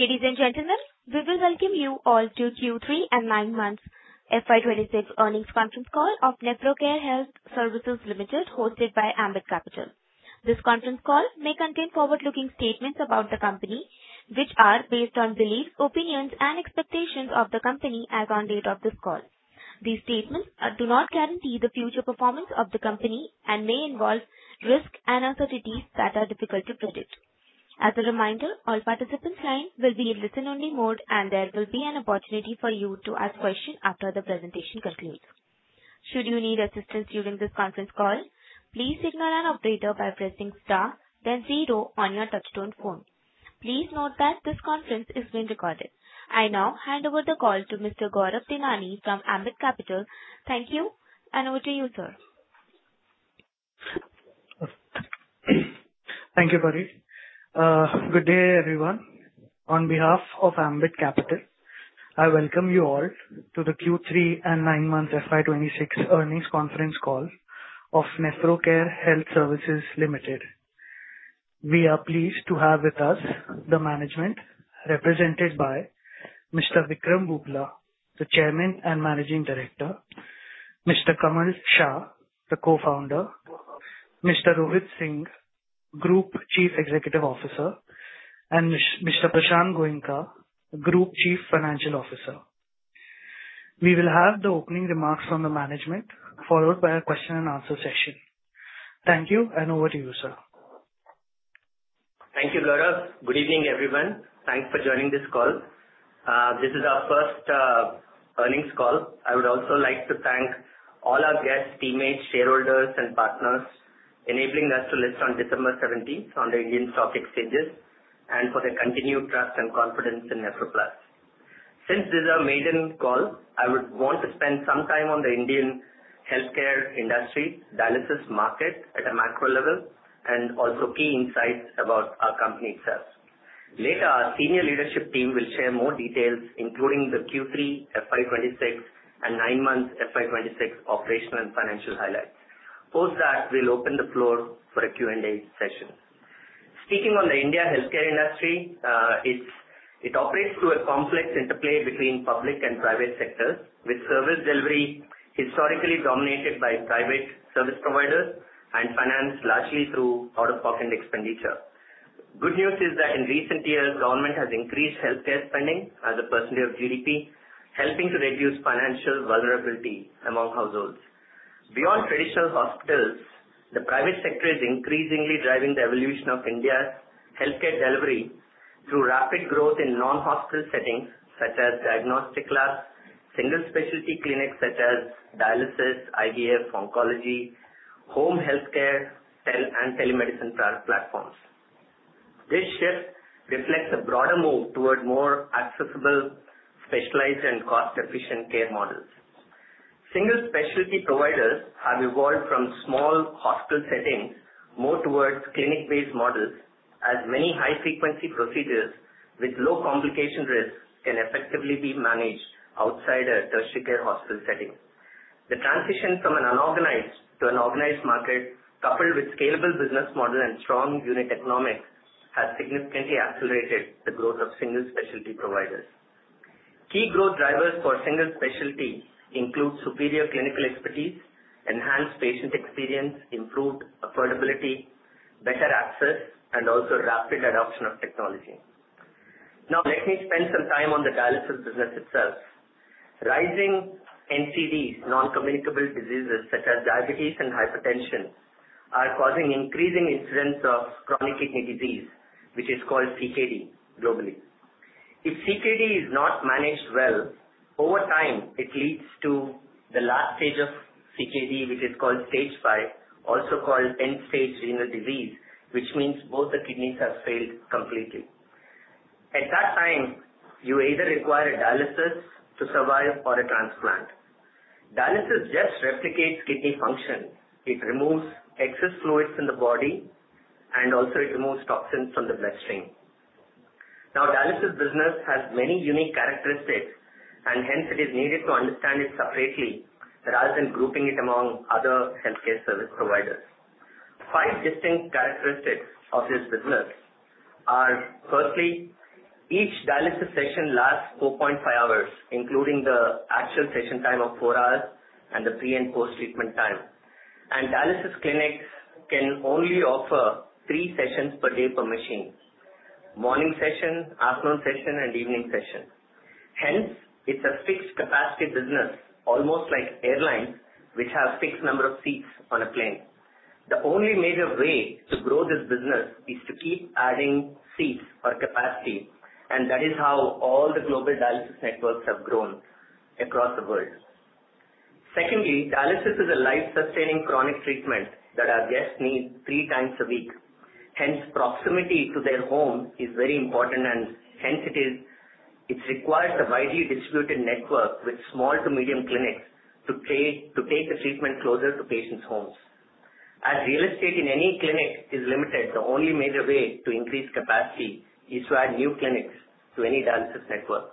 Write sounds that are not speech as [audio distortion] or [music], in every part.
Ladies and gentlemen, we will welcome you all to Q3 and nine Months FY 2026 earnings conference call of Nephrocare Health Services Limited, hosted by Ambit Capital. This conference call may contain forward-looking statements about the company, which are based on beliefs, opinions and expectations of the company as on date of this call. These statements do not guarantee the future performance of the company and may involve risk and uncertainties that are difficult to predict. As a reminder, all participants' lines will be in listen-only mode, and there will be an opportunity for you to ask questions after the presentation concludes. Should you need assistance during this conference call, please signal an operator by pressing star then zero on your touchtone phone. Please note that this conference is being recorded. I now hand over the call to Mr. Gaurav Tilani from Ambit Capital. Thank you, and over to you, sir. Thank you, Pari. Good day, everyone. On behalf of Ambit Capital, I welcome you all to the Q3 and nine-month FY 2026 earnings conference call of Nephrocare Health Services Limited. We are pleased to have with us the management represented by Mr. Vikram Vuppala, the Chairman and Managing Director, Mr. Kamal Shah, the Co-founder, Mr. Rohit Singh, Group Chief Executive Officer, and Mr. Prashant Goenka, Group Chief Financial Officer. We will have the opening remarks from the management, followed by a question and answer session. Thank you, and over to you, sir. Thank you, Gaurav. Good evening, everyone. Thanks for joining this call. This is our first earnings call. I would also like to thank all our guests, teammates, shareholders, and partners enabling us to list on December 17th on the Indian stock exchanges and for their continued trust and confidence in NephroPlus. Since this is our maiden call, I would want to spend some time on the Indian healthcare industry dialysis market at a macro level and also key insights about our company itself. Later, our senior leadership team will share more details, including the Q3 FY 2026 and nine-month FY 2026 operational and financial highlights. Post that, we'll open the floor for a Q&A session. Speaking on the India healthcare industry, it operates through a complex interplay between public and private sectors, with service delivery historically dominated by private service providers and financed largely through out-of-pocket expenditure. Good news is that in recent years, government has increased healthcare spending as a percentage of GDP, helping to reduce financial vulnerability among households. Beyond traditional hospitals, the private sector is increasingly driving the evolution of India's healthcare delivery through rapid growth in non-hospital settings such as diagnostic labs, single specialty clinics such as dialysis, IVF, oncology, home healthcare, tele- and telemedicine platforms. This shift reflects a broader move toward more accessible, specialized, and cost-efficient care models. Single specialty providers have evolved from small hospital settings more towards clinic-based models as many high-frequency procedures with low complication risks can effectively be managed outside a tertiary care hospital setting. The transition from an unorganized to an organized market, coupled with scalable business model and strong unit economics, has significantly accelerated the growth of single specialty providers. Key growth drivers for single specialty include superior clinical expertise, enhanced patient experience, improved affordability, better access, and also rapid adoption of technology. Now, let me spend some time on the dialysis business itself. Rising NCD, non-communicable diseases such as diabetes and hypertension, are causing increasing incidence of chronic kidney disease, which is called CKD globally. If CKD is not managed well, over time it leads to the last stage of CKD which is called stage five, also called end-stage renal disease, which means both the kidneys have failed completely. At that time, you either require a dialysis to survive or a transplant. Dialysis just replicates kidney function. It removes excess fluids from the body and also it removes toxins from the bloodstream. Dialysis business has many unique characteristics and hence it is needed to understand it separately rather than grouping it among other healthcare service providers. Five distinct characteristics of this business are, firstly, each dialysis session lasts 4.5 hours, including the actual session time of four hours and the pre- and post-treatment time. Dialysis clinics can only offer three sessions per day per machine, morning session, afternoon session, and evening session. Hence, it's a fixed capacity business almost like airlines which have fixed number of seats on a plane. The only major way to grow this business is to keep adding seats or capacity, and that is how all the global dialysis networks have grown across the world. Secondly, dialysis is a life-sustaining chronic treatment that our guests need three times a week. Hence, proximity to their home is very important and hence it is, it requires a widely distributed network with small to medium clinics to take the treatment closer to patients' homes. As real estate in any clinic is limited, the only major way to increase capacity is to add new clinics to any dialysis network.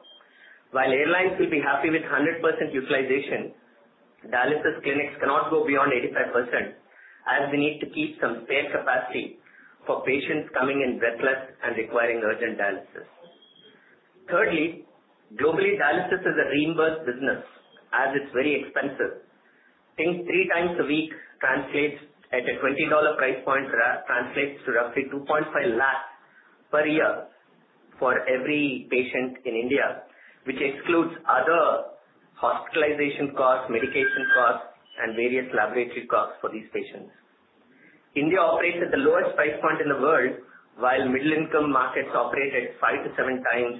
While airlines will be happy with 100% utilization, dialysis clinics cannot go beyond 85%, as we need to keep some spare capacity for patients coming in breathless and requiring urgent dialysis. Thirdly, globally, dialysis is a reimbursed business as it's very expensive. I think three times a week translates at a $20 price point, translates to roughly 2.5 per year for every patient in India, which excludes other hospitalization costs, medication costs, and various laboratory costs for these patients. India operates at the lowest price point in the world, while middle-income markets operate at 5x-7x our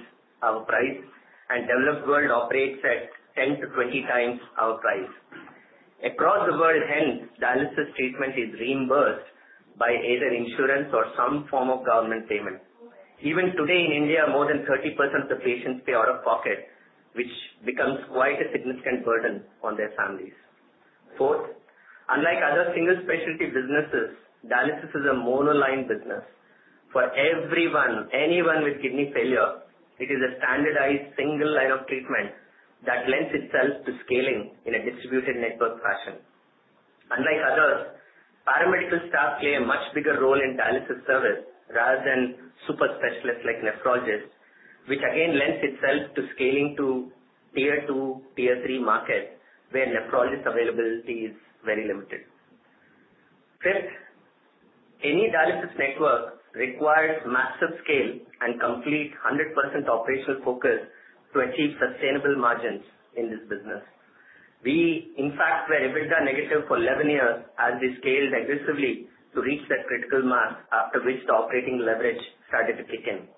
price, and developed world operates at 10x-20x our price. Across the world, hence, dialysis treatment is reimbursed by either insurance or some form of government payment. Even today in India, more than 30% of patients pay out-of-pocket, which becomes quite a significant burden on their families. Fourth, unlike other single specialty businesses, dialysis is a monoline business. For everyone, anyone with kidney failure, it is a standardized single line of treatment that lends itself to scaling in a distributed network fashion. Unlike others, paramedical staff play a much bigger role in dialysis service rather than super specialists like nephrologists, which again lends itself to scaling to tier two, tier three markets where nephrologist availability is very limited. Fifth, any dialysis network requires massive scale and complete 100% operational focus to achieve sustainable margins in this business. We, in fact, were EBITDA negative for 11 years as we scaled aggressively to reach that critical mass, after which the operating leverage started to kick in.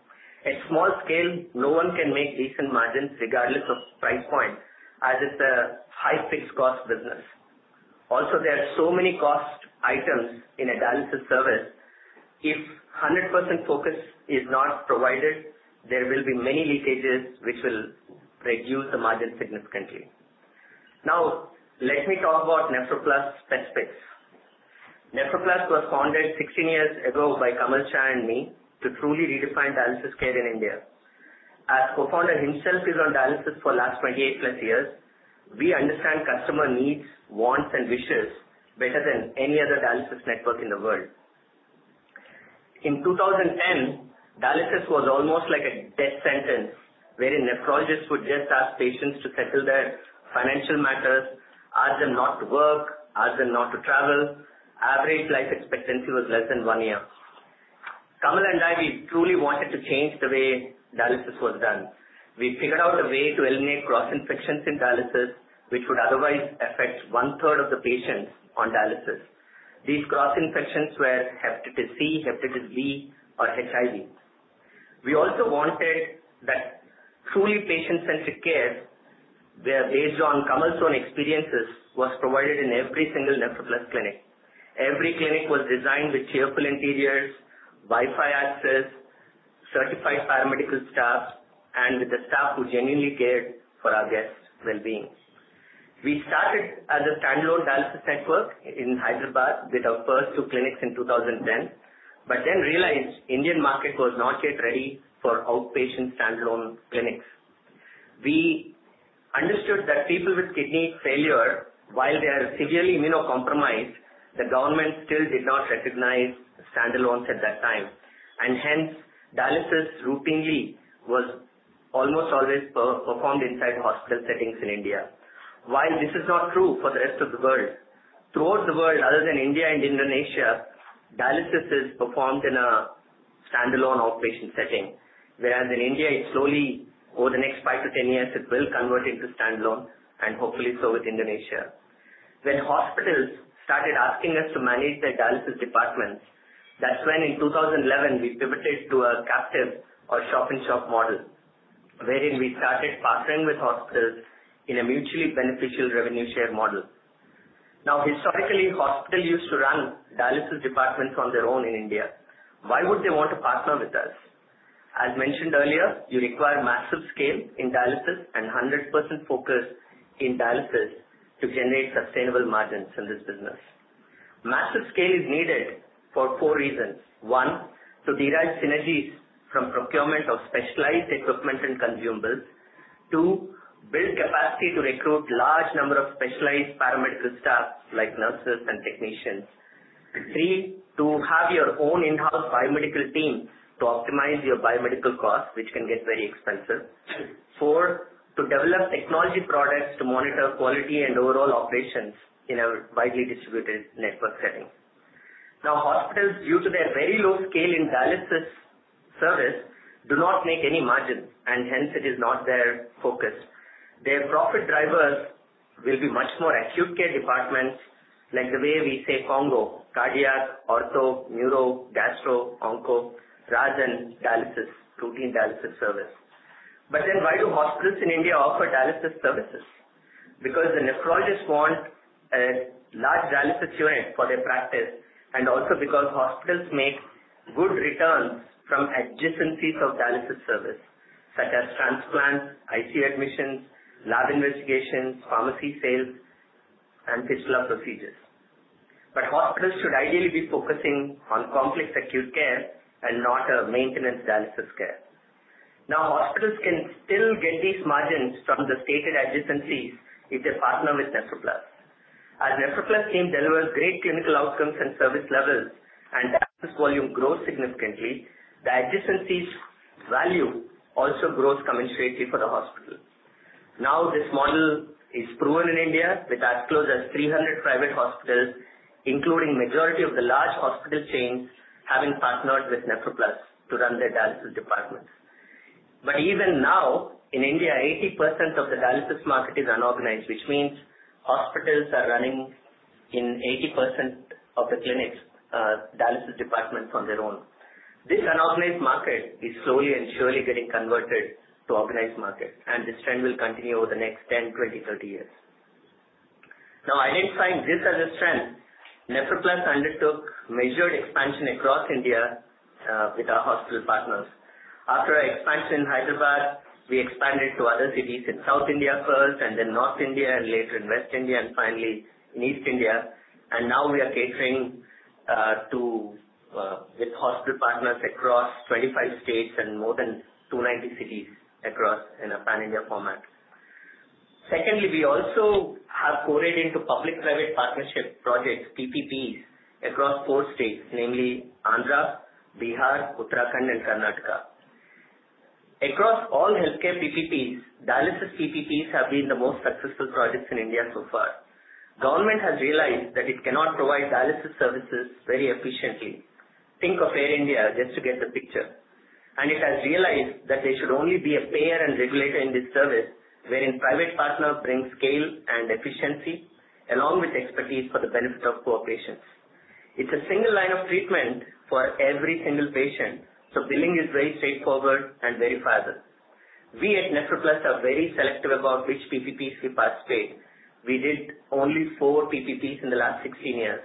At small scale, no one can make decent margins regardless of price point, as it's a high fixed cost business. Also, there are so many cost items in a dialysis service. If 100% focus is not provided, there will be many leakages which will reduce the margin significantly. Now, let me talk about NephroPlus specifics. NephroPlus was founded 16 years ago by Kamal Shah and me to truly redefine dialysis care in India. As co-founder himself he's on dialysis for the last 28+ years, we understand customer needs, wants, and wishes better than any other dialysis network in the world. In 2010, dialysis was almost like a death sentence, wherein nephrologists would just ask patients to settle their financial matters, ask them not to work, ask them not to travel. Average life expectancy was less than one year. Kamal and I, we truly wanted to change the way dialysis was done. We figured out a way to eliminate cross-infections in dialysis, which would otherwise affect 1/3 of the patients on dialysis. These cross-infections were hepatitis C, hepatitis B, or HIV. We also wanted that truly patient-centric care where, based on Kamal's own experiences, was provided in every single NephroPlus clinic. Every clinic was designed with cheerful interiors, Wi-Fi access, certified paramedical staff, and with a staff who genuinely cared for our guests' wellbeing. We started as a standalone dialysis network in Hyderabad with our first two clinics in 2010, but then realized Indian market was not yet ready for outpatient standalone clinics. We understood that people with kidney failure, while they are severely immunocompromised, the government still did not recognize standalones at that time, and hence, dialysis routinely was almost always performed inside hospital settings in India. While this is not true for the rest of the world, throughout the world, other than India and Indonesia, dialysis is performed in a standalone outpatient setting. Whereas in India, it's slowly, over the next five to 10 years, it will convert into standalone and hopefully so with Indonesia. When hospitals started asking us to manage their dialysis departments, that's when in 2011 we pivoted to a captive or shop-in-shop model, wherein we started partnering with hospitals in a mutually beneficial revenue share model. Now, historically, hospitals used to run dialysis departments on their own in India. Why would they want to partner with us? As mentioned earlier, you require massive scale in dialysis and 100% focus in dialysis to generate sustainable margins in this business. Massive scale is needed for four reasons. One, to derive synergies from procurement of specialized equipment and consumables. Two, build capacity to recruit large number of specialized paramedical staff like nurses and technicians. Three, to have your own in-house biomedical team to optimize your biomedical costs, which can get very expensive. Four, to develop technology products to monitor quality and overall operations in a widely distributed network setting. Now, hospitals, due to their very low scale in dialysis service, do not make any margins, and hence it is not their focus. Their profit drivers will be much more acute care departments, like the way we say CONGO, cardiac, ortho, neuro, gastro, onco, rather than dialysis, routine dialysis service. Why do hospitals in India offer dialysis services? Because the nephrologists want a large dialysis unit for their practice, and also because hospitals make good returns from adjacencies of dialysis service, such as transplant, ICU admissions, lab investigations, pharmacy sales, and fistula procedures. Hospitals should ideally be focusing on complex acute care and not a maintenance dialysis care. Now, hospitals can still get these margins from the stated adjacencies if they partner with NephroPlus. As NephroPlus team delivers great clinical outcomes and service levels, and volume grows significantly, the adjacencies value also grows commensurately for the hospital. Now this model is proven in India with as close as 300 private hospitals, including majority of the large hospital chains having partnered with NephroPlus to run their dialysis departments. Even now, in India, 80% of the dialysis market is unorganized, which means hospitals are running in 80% of the clinics, dialysis departments on their own. This unorganized market is slowly and surely getting converted to organized market, and this trend will continue over the next 10, 20, 30 years. Now, identifying this as a trend, NephroPlus undertook measured expansion across India, with our hospital partners. After our expansion in Hyderabad, we expanded to other cities in South India first and then North India and later in West India and finally in East India. Now we are catering to with hospital partners across 25 states and more than 290 cities across in a pan-India format. Secondly, we also have forayed into public-private partnership projects, PPPs, across four states, namely Andhra, Bihar, Uttarakhand, and Karnataka. Across all healthcare PPPs, dialysis PPPs have been the most successful projects in India so far. Government has realized that it cannot provide dialysis services very efficiently. Think of Air India just to get the picture. It has realized that they should only be a payer and regulator in this service, wherein private partners bring scale and efficiency along with expertise for the benefit of poor patients. It's a single line of treatment for every single patient, so billing is very straightforward and verifiable. We at NephroPlus are very selective about which PPPs we participate. We did only four PPPs in the last 16 years.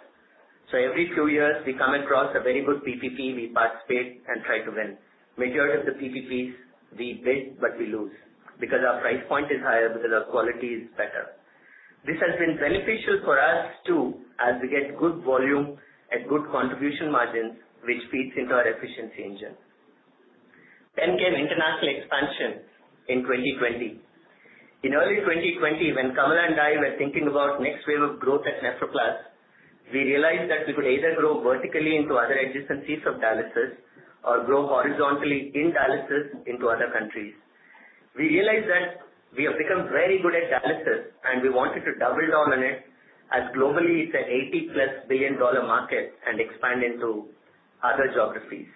Every few years, we come across a very good PPP, we participate and try to win. Majority of the PPPs we bid, but we lose because our price point is higher, because our quality is better. This has been beneficial for us, too, as we get good volume at good contribution margins, which feeds into our efficiency engine. Came international expansion in 2020. In early 2020 when Kamal and I were thinking about next wave of growth at NephroPlus, we realized that we could either grow vertically into other adjacencies of dialysis or grow horizontally in dialysis into other countries. We realized that we have become very good at dialysis, and we wanted to double down on it as globally it's an $80+ billion market and expand into other geographies.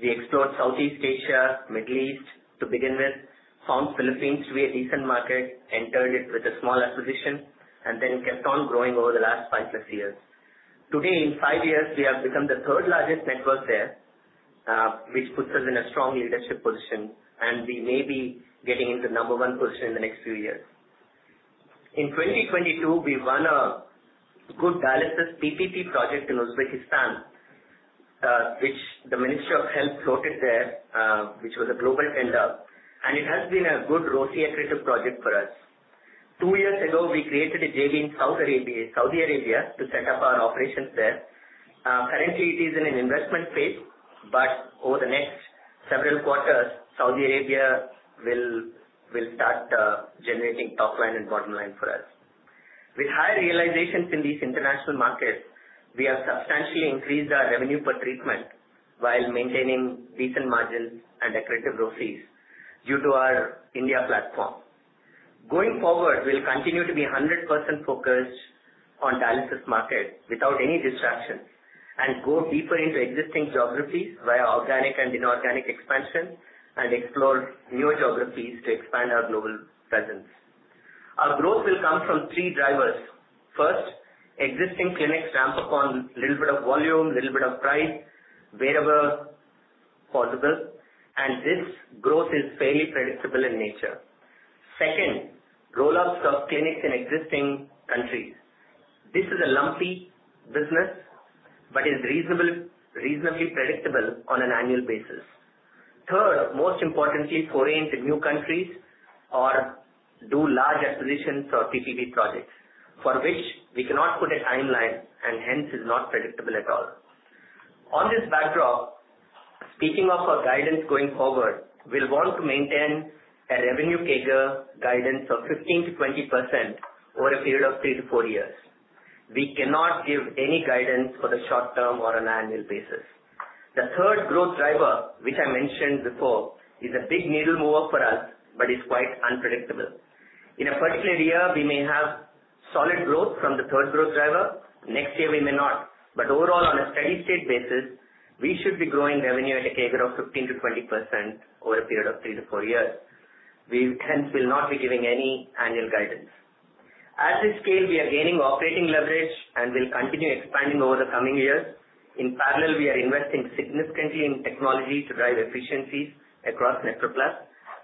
We explored Southeast Asia, Middle East to begin with, found Philippines to be a decent market, entered it with a small acquisition, and then kept on growing over the last five-plus years. Today, in five years, we have become the third-largest network there, which puts us in a strong leadership position, and we may be getting into number one position in the next few years. In 2022, we won a good dialysis PPP project in Uzbekistan, which the Ministry of Health floated there, which was a global tender, and it has been a good ROCE accretive project for us. Two years ago, we created a JV in Saudi Arabia to set up our operations there. Currently it is in an investment phase, but over the next several quarters, Saudi Arabia will start generating top line and bottom line for us. With high realizations in these international markets, we have substantially increased our revenue per treatment while maintaining decent margins and accretive ROCEs due to our India platform. Going forward, we'll continue to be 100% focused on dialysis market without any distraction and go deeper into existing geographies via organic and inorganic expansion and explore newer geographies to expand our global presence. Our growth will come from three drivers. First, existing clinics ramp up on little bit of volume, little bit of price wherever possible, and this growth is fairly predictable in nature. Second, roll-ups of clinics in existing countries. This is a lumpy business but is reasonable, reasonably predictable on an annual basis. Third, most importantly, foray into new countries or do large acquisitions or PPP projects for which we cannot put a timeline and hence is not predictable at all. On this backdrop, speaking of our guidance going forward, we'll want to maintain a revenue CAGR guidance of 15%-20% over a period of 3-4 years. We cannot give any guidance for the short term or on an annual basis. The third growth driver, which I mentioned before, is a big needle mover for us but is quite unpredictable. In a particular year, we may have solid growth from the third growth driver. Next year we may not. Overall, on a steady state basis, we should be growing revenue at a CAGR of 15%-20% over a period of 3-4 years. We hence will not be giving any annual guidance. At this scale, we are gaining operating leverage and will continue expanding over the coming years. In parallel, we are investing significantly in technology to drive efficiencies across NephroPlus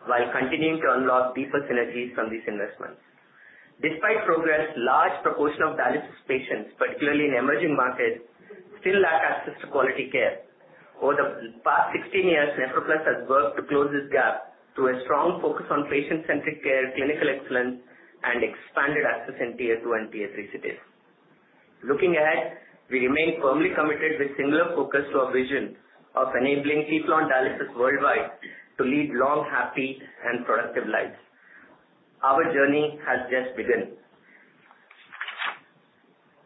while continuing to unlock deeper synergies from these investments. Despite progress, large proportion of dialysis patients, particularly in emerging markets, still lack access to quality care. Over the past 16 years, NephroPlus has worked to close this gap through a strong focus on patient-centric care, clinical excellence, and expanded access in Tier 2 and Tier 3 cities. Looking ahead, we remain firmly committed with singular focus to our vision of enabling people on dialysis worldwide to lead long, happy, and productive lives. Our journey has just begun.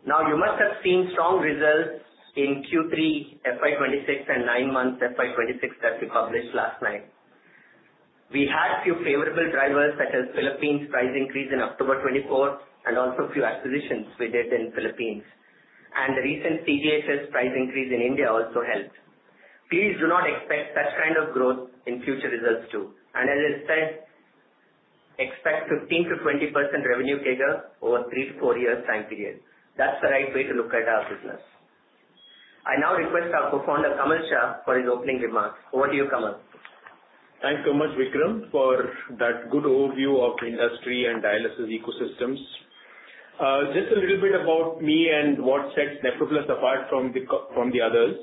Now, you must have seen strong results in Q3 FY 2026 and nine months FY 2026 that we published last night. We had few favorable drivers such as Philippines price increase in October 2024 and also few acquisitions we did in Philippines, and the recent CGHS price increase in India also helped. Please do not expect such kind of growth in future results too, and as I said, expect 15%-20% revenue CAGR over 3-4 years time period. That's the right way to look at our business. I now request our Co-founder, Kamal Shah, for his opening remarks. Over to you, Kamal. Thanks so much, Vikram, for that good overview of the industry and dialysis ecosystems. Just a little bit about me and what sets NephroPlus apart from the others.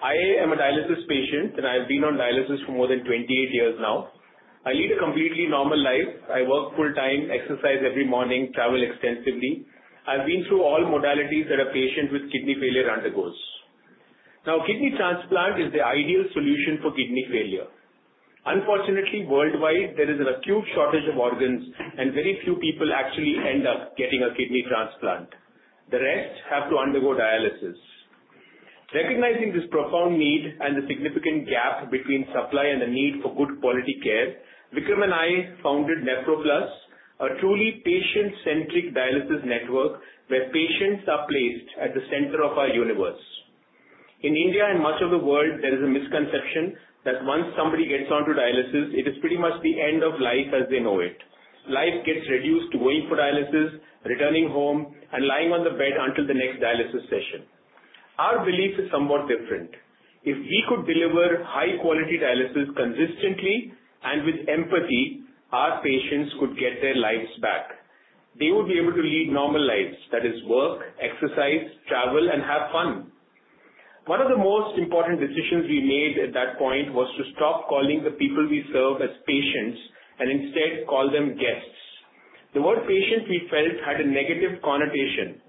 I am a dialysis patient, and I've been on dialysis for more than 28 years now. I lead a completely normal life. I work full time, exercise every morning, travel extensively. I've been through all modalities that a patient with kidney failure undergoes. Now, kidney transplant is the ideal solution for kidney failure. Unfortunately, worldwide, there is an acute shortage of organs, and very few people actually end up getting a kidney transplant. The rest have to undergo dialysis. Recognizing this profound need and the significant gap between supply and the need for good quality care, Vikram and I founded NephroPlus, a truly patient-centric dialysis network where patients are placed at the center of our universe. In India and much of the world, there is a misconception that once somebody gets onto dialysis, it is pretty much the end of life as they know it. Life gets reduced to waiting for dialysis, returning home, and lying on the bed until the next dialysis session. Our belief is somewhat different. If we could deliver high quality dialysis consistently and with empathy, our patients could get their lives back. They would be able to lead normal lives, that is, work, exercise, travel, and have fun. One of the most important decisions we made at that point was to stop calling the people we serve as patients and instead call them guests. The word patient, we felt, had a negative connotation.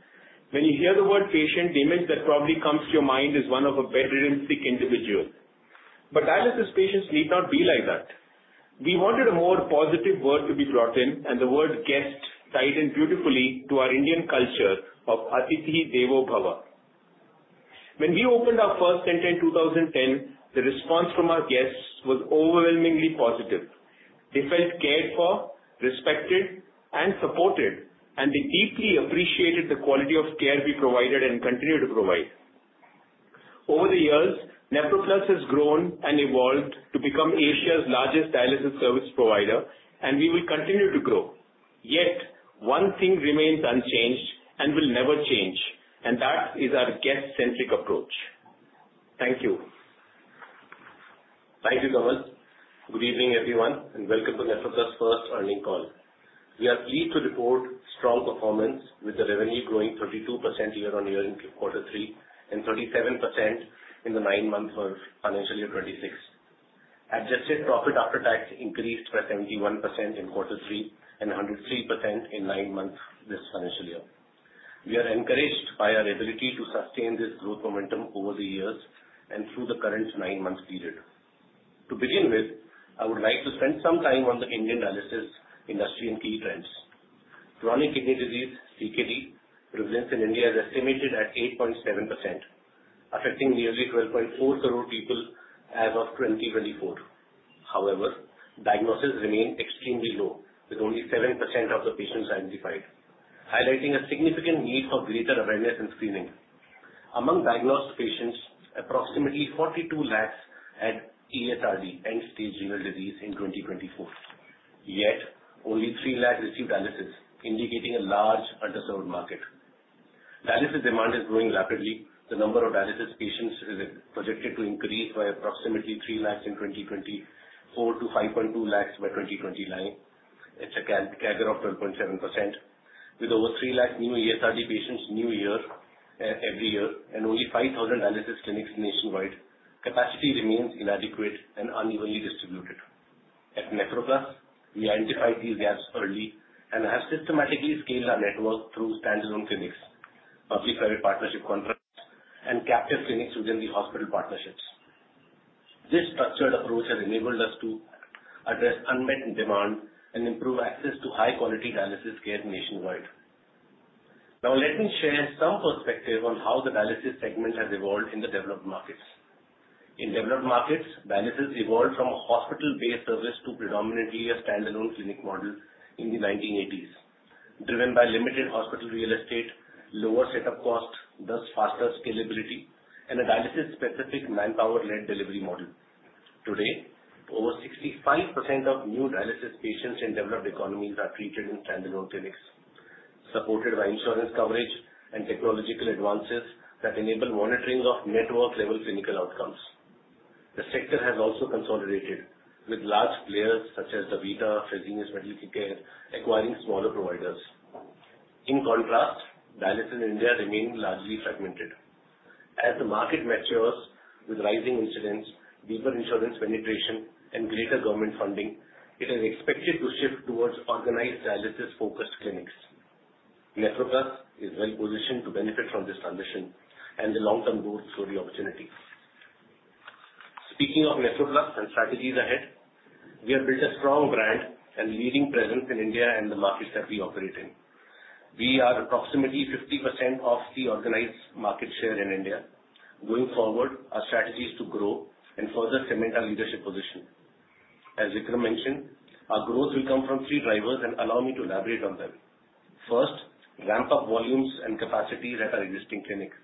When you hear the word patient, the image that probably comes to your mind is one of a bedridden sick individual. Dialysis patients need not be like that. We wanted a more positive word to be brought in, and the word guest tied in beautifully to our Indian culture of Atithi Devo Bhava. When we opened our first center in 2010, the response from our guests was overwhelmingly positive. They felt cared for, respected, and supported, and they deeply appreciated the quality of care we provided and continue to provide. Over the years, NephroPlus has grown and evolved to become Asia's largest dialysis service provider, and we will continue to grow. Yet one thing remains unchanged and will never change, and that is our guest-centric approach. Thank you. Thank you, Kamal. Good evening, everyone, and welcome to NephroPlus first earnings call. We are pleased to report strong performance with the revenue growing 32% year-on-year in Q3 and 37% in the nine months of financial year 2026. Adjusted profit after tax increased by 71% in Q3 and 103% in nine months this financial year. We are encouraged by our ability to sustain this growth momentum over the years and through the current nine-month period. To begin with, I would like to spend some time on the Indian dialysis industry and key trends. Chronic kidney disease, CKD, prevalence in India is estimated at 8.7%, affecting nearly 12.4 crore people as of 2024. However, diagnoses remain extremely low, with only 7% of the patients identified, highlighting a significant need for greater awareness and screening. Among diagnosed patients, approximately 42 lakhs had ESRD, end-stage renal disease, in 2024, yet only 3 lakhs received dialysis, indicating a large underserved market. Dialysis demand is growing rapidly. The number of dialysis patients is projected to increase by approximately 3 lakhs in 2024 to 5.2 lakhs by 2029. It's a CAGR of 12.7%. With over 3 lakh new ESRD patients every year and only 5,000 dialysis clinics nationwide, capacity remains inadequate and unevenly distributed. At NephroPlus, we identified these gaps early and have systematically scaled our network through standalone clinics, public-private partnership contracts, and captive clinics within the hospital partnerships. This structured approach has enabled us to address unmet demand and improve access to high-quality dialysis care nationwide. Now, let me share some perspective on how the dialysis segment has evolved in the developed markets. In developed markets, dialysis evolved from a hospital-based service to predominantly a standalone clinic model in the 1980s, driven by limited hospital real estate, lower setup costs, thus faster scalability, and a dialysis-specific manpower-led delivery model. Today, over 65% of new dialysis patients in developed economies are treated in standalone clinics, supported by insurance coverage and technological advances that enable monitoring of network-level clinical outcomes. The sector has also consolidated, with large players such as DaVita, Fresenius Medical Care acquiring smaller providers. In contrast, dialysis in India remains largely fragmented. As the market matures with rising incidence, deeper insurance penetration, and greater government funding, it is expected to shift towards organized dialysis-focused clinics. NephroPlus is well-positioned to benefit from this transition and the long-term growth through the opportunity. Speaking of NephroPlus and strategies ahead, we have built a strong brand and leading presence in India and the markets that we operate in. We are approximately 50% of the organized market share in India. Going forward, our strategy is to grow and further cement our leadership position. As Vikram mentioned, our growth will come from three drivers, and allow me to elaborate on them. First, ramp up volumes and capacities at our existing clinics.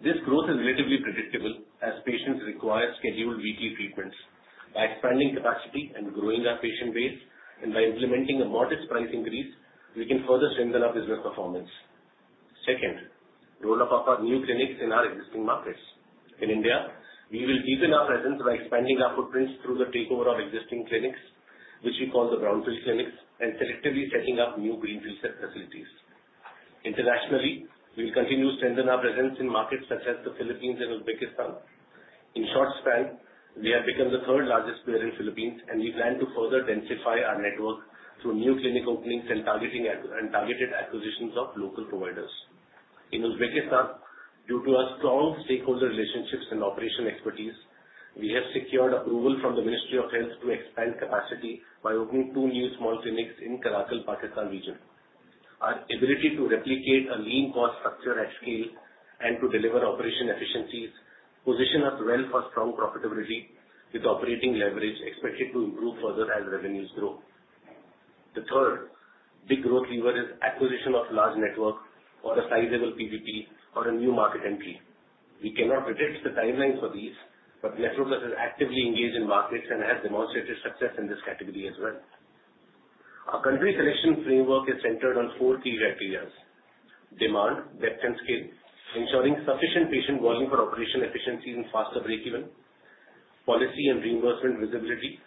This growth is relatively predictable as patients require scheduled weekly treatments. By expanding capacity and growing our patient base and by implementing a modest price increase, we can further strengthen our business performance. Second, roll up of our new clinics in our existing markets. In India, we will deepen our presence by expanding our footprints through the takeover of existing clinics, which we call the brownfield clinics, and selectively setting up new greenfield setup facilities. Internationally, we'll continue to strengthen our presence in markets such as the Philippines and Uzbekistan. In a short span, we have become the third-largest player in Philippines, and we plan to further densify our network through new clinic openings and targeted acquisitions of local providers. In Uzbekistan, due to our strong stakeholder relationships and operational expertise, we have secured approval from the Ministry of Health to expand capacity by opening two new small clinics in Karakalpakstan region. Our ability to replicate a lean cost structure at scale and to deliver operational efficiencies position us well for strong profitability, with operating leverage expected to improve further as revenues grow. The third big growth lever is acquisition of large network or a sizable PBP or a new market entry. We cannot predict the timeline for these, but NephroPlus has actively engaged in markets and has demonstrated success in this category as well. Our country selection framework is centered on four key criteria, demand, depth, and scale, ensuring sufficient patient volume for operational efficiency and faster break-even. Policy and reimbursement visibility,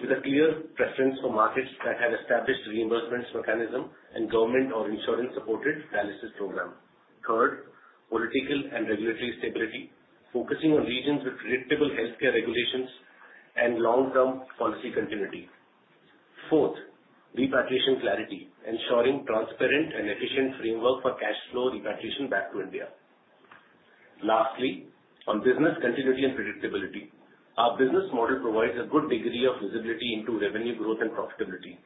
with a clear preference for markets that have established reimbursement mechanism and government or insurance-supported dialysis program. Third, political and regulatory stability, focusing on regions with predictable healthcare regulations and long-term policy continuity. Fourth, repatriation clarity, ensuring transparent and efficient framework for cash flow repatriation back to India. Lastly, on business continuity and predictability. Our business model provides a good degree of visibility into revenue growth and profitability.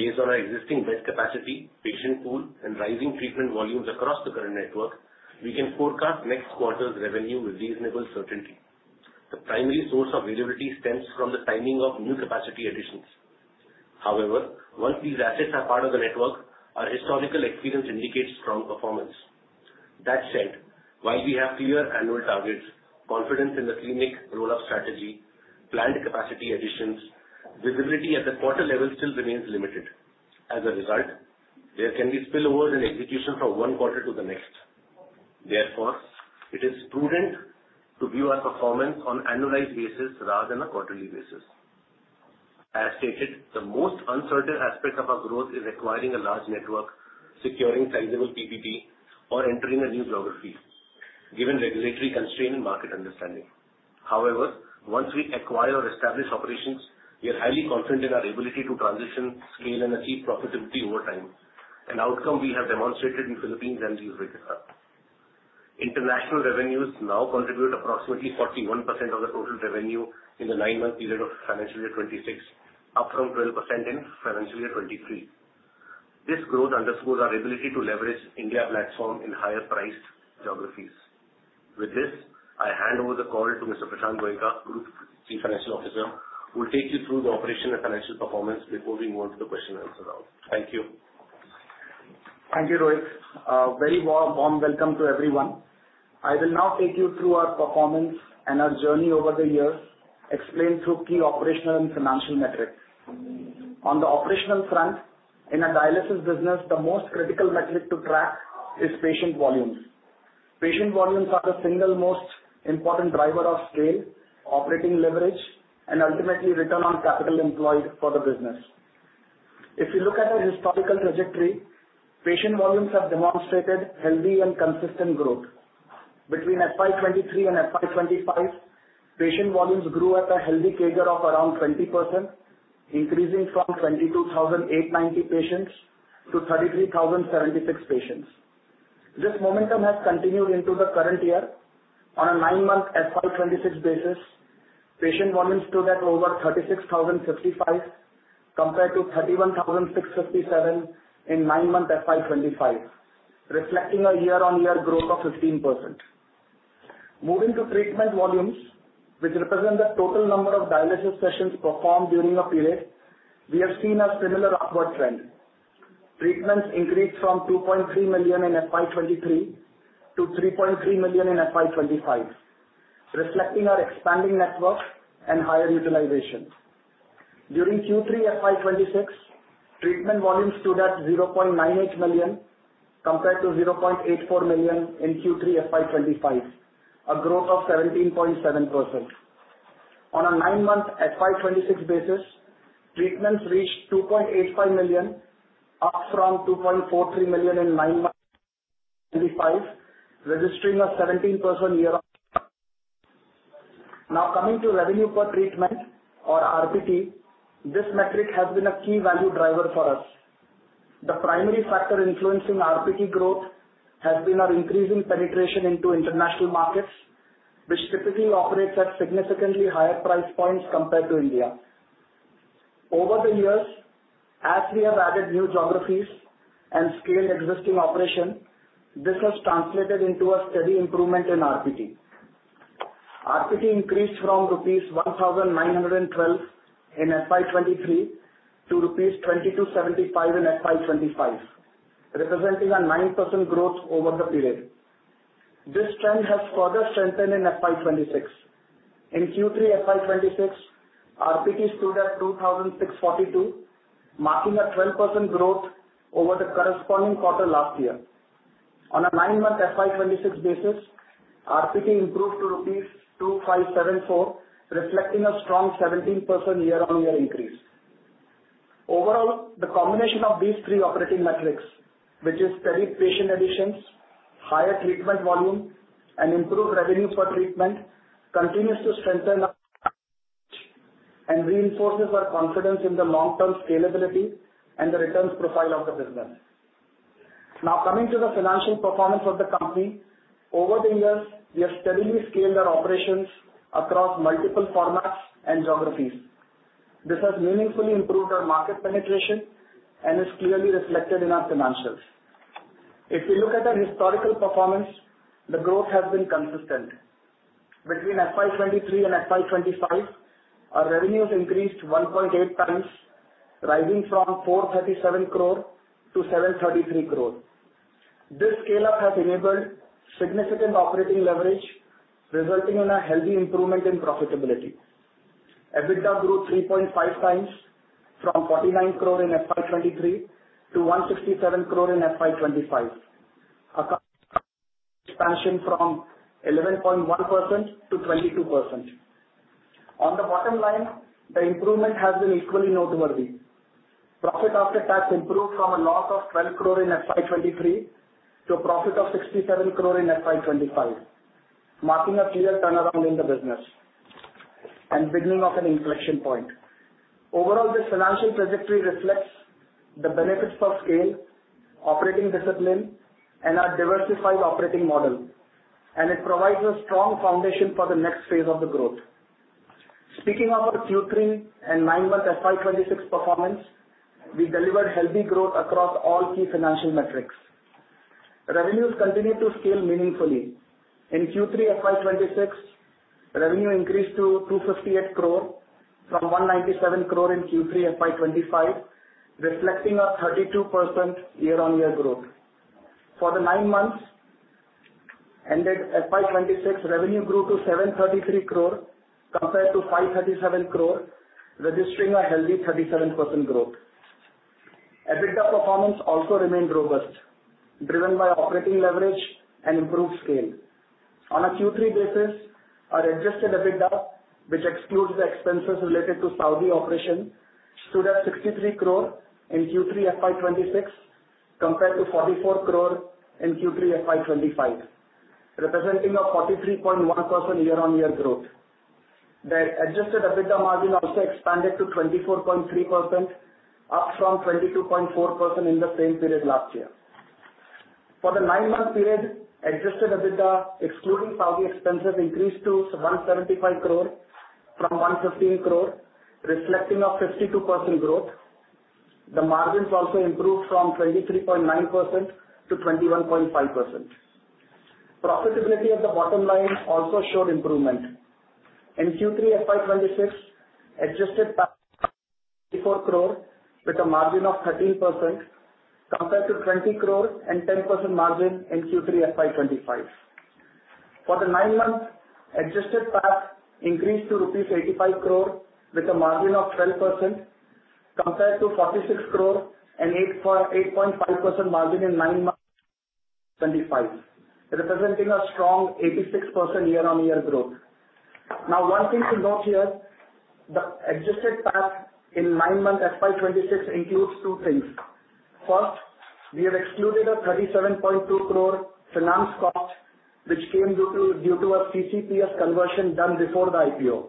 Based on our existing bed capacity, patient pool, and rising treatment volumes across the current network, we can forecast next quarter's revenue with reasonable certainty. The primary source of visibility stems from the timing of new capacity additions. However, once these assets are part of the network, our historical experience indicates strong performance. That said, while we have clear annual targets, confidence in the clinic roll-up strategy, planned capacity additions, visibility at the quarter level still remains limited. As a result, there can be spillovers in execution from one quarter to the next. Therefore, it is prudent to view our performance on annualized basis rather than a quarterly basis. As stated, the most uncertain aspect of our growth is acquiring a large network, securing sizable PBP, or entering a new geography, given regulatory constraint and market understanding. However, once we acquire or establish operations, we are highly confident in our ability to transition, scale, and achieve profitability over time, an outcome we have demonstrated in Philippines and Uzbekistan. International revenues now contribute approximately 41% of the total revenue in the nine-month period of FY 2026, up from 12% in FY 2023. This growth underscores our ability to leverage India platform in higher priced geographies. With this, I hand over the call to Mr. Prashant Goenka, Group Chief Financial Officer, who will take you through the operational and financial performance before we move on to the question and answer round. Thank you. Thank you, Rohit. A very warm welcome to everyone. I will now take you through our performance and our journey over the years, explained through key operational and financial metrics. On the operational front, in a dialysis business, the most critical metric to track is patient volumes. Patient volumes are the single most important driver of scale, operating leverage, and ultimately return on capital employed for the business. If you look at our historical trajectory, patient volumes have demonstrated healthy and consistent growth. Between FY 2023 and FY 2025, patient volumes grew at a healthy CAGR of around 20%, increasing from 22,890 patients to 33,076 patients. This momentum has continued into the current year. On a nine-month FY 2026 basis, patient volumes stood at over 36,055, compared to 31,657 in nine-month FY 2025, reflecting a year-on-year growth of 15%. Moving to treatment volumes, which represent the total number of dialysis sessions performed during a period, we have seen a similar upward trend. Treatments increased from 2.3 million in FY 2023 to 3.3 million in FY 2025, reflecting our expanding networks and higher utilization. During Q3 FY 2026, treatment volumes stood at 0.98 million compared to 0.84 million in Q3 FY 2025, a growth of 17.7%. On a nine-month FY 2026 basis, treatments reached 2.85 million, up from 2.43 million in nine months 2025, registering a 17% year. [audio distortion] Now coming to revenue per treatment or RPT. This metric has been a key value driver for us. The primary factor influencing RPT growth has been our increasing penetration into international markets, which typically operates at significantly higher price points compared to India. Over the years, as we have added new geographies and scaled existing operation, this has translated into a steady improvement in RPT. RPT increased from 1,912 rupees in FY 2023 to 2,275 rupees in FY 2025, representing a 9% growth over the period. This trend has further strengthened in FY 2026. In Q3 FY 2026, RPT stood at 2,642, marking a 12% growth over the corresponding quarter last year. On a nine-month FY 2026 basis, RPT improved to rupees 2,574, reflecting a strong 17% year-over-year increase. Overall, the combination of these three operating metrics, which is steady patient additions, higher treatment volume, and improved revenue per treatment, continues to strengthen and reinforces our confidence in the long-term scalability and the returns profile of the business. Now, coming to the financial performance of the company. Over the years, we have steadily scaled our operations across multiple formats and geographies. This has meaningfully improved our market penetration and is clearly reflected in our financials. If you look at our historical performance, the growth has been consistent. Between FY 2023 and FY 2025, our revenues increased 1.8x, rising from 437 crore to 733 crore. This scale-up has enabled significant operating leverage, resulting in a healthy improvement in profitability. EBITDA grew 3.5x from 49 crore in FY 2023 to 167 crore in FY 2025. Expansion from 11.1% to 22%. On the bottom line, the improvement has been equally noteworthy. Profit after tax improved from a loss of 12 crore in FY 2023 to a profit of 67 crore in FY 2025, marking a clear turnaround in the business and beginning of an inflection point. Overall, this financial trajectory reflects the benefits of scale, operating discipline, and our diversified operating model. It provides a strong foundation for the next phase of the growth. Speaking of our Q3 and nine-month FY 2026 performance, we delivered healthy growth across all key financial metrics. Revenues continued to scale meaningfully. In Q3 FY 2026, revenue increased to 258 crore from 197 crore in Q3 FY 2025, reflecting a 32% year-on-year growth. For the nine months ended FY 2026, revenue grew to 733 crore compared to 537 crore, registering a healthy 37% growth. EBITDA performance also remained robust, driven by operating leverage and improved scale. On a Q3 basis, our adjusted EBITDA, which excludes the expenses related to Saudi operation, stood at 63 crore in Q3 FY 2026 compared to 44 crore in Q3 FY 2025, representing a 43.1% year-on-year growth. The adjusted EBITDA margin also expanded to 24.3%, up from 22.4% in the same period last year. For the nine-month period, adjusted EBITDA, excluding Saudi expenses, increased to 175 crore from 115 crore, reflecting a 52% growth. The margins also improved from 23.9% to 21.5%. Profitability at the bottom line also showed improvement. In Q3 FY 2026, adjusted PAT 4 crore with a margin of 13% compared to 20 crore and 10% margin in Q3 FY 2025. For the nine months, adjusted PAT increased to rupees 85 crore with a margin of 12% compared to 46 crore and 8.5% margin in nine months 2025, representing a strong 86% year-on-year growth. One thing to note here, the adjusted PAT in nine-month FY 2026 includes two things. First, we have excluded a 37.2 crore finance cost which came due to a CCPS conversion done before the IPO.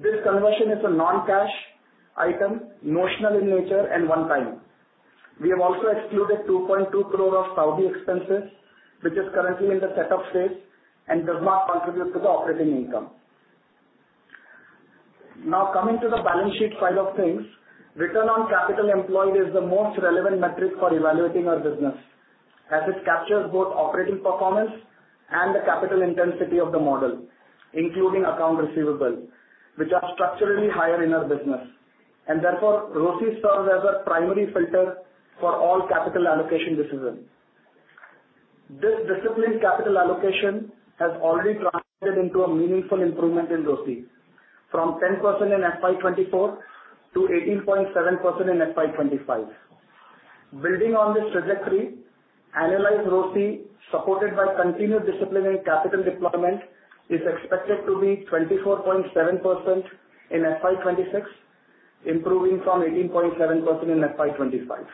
This conversion is a non-cash item, notional in nature and one time. We have also excluded 2.2 crore of Saudi expenses, which is currently in the set-up phase and does not contribute to the operating income. Now, coming to the balance sheet side of things. Return on capital employed is the most relevant metric for evaluating our business, as it captures both operating performance and the capital intensity of the model, including account receivables, which are structurally higher in our business. Therefore, ROCE serves as our primary filter for all capital allocation decisions. This disciplined capital allocation has already translated into a meaningful improvement in ROCE from 10% in FY 2024 to 18.7% in FY 2025. Building on this trajectory, annualized ROCE, supported by continued discipline and capital deployment, is expected to be 24.7% in FY 2026, improving from 18.7% in FY 2025.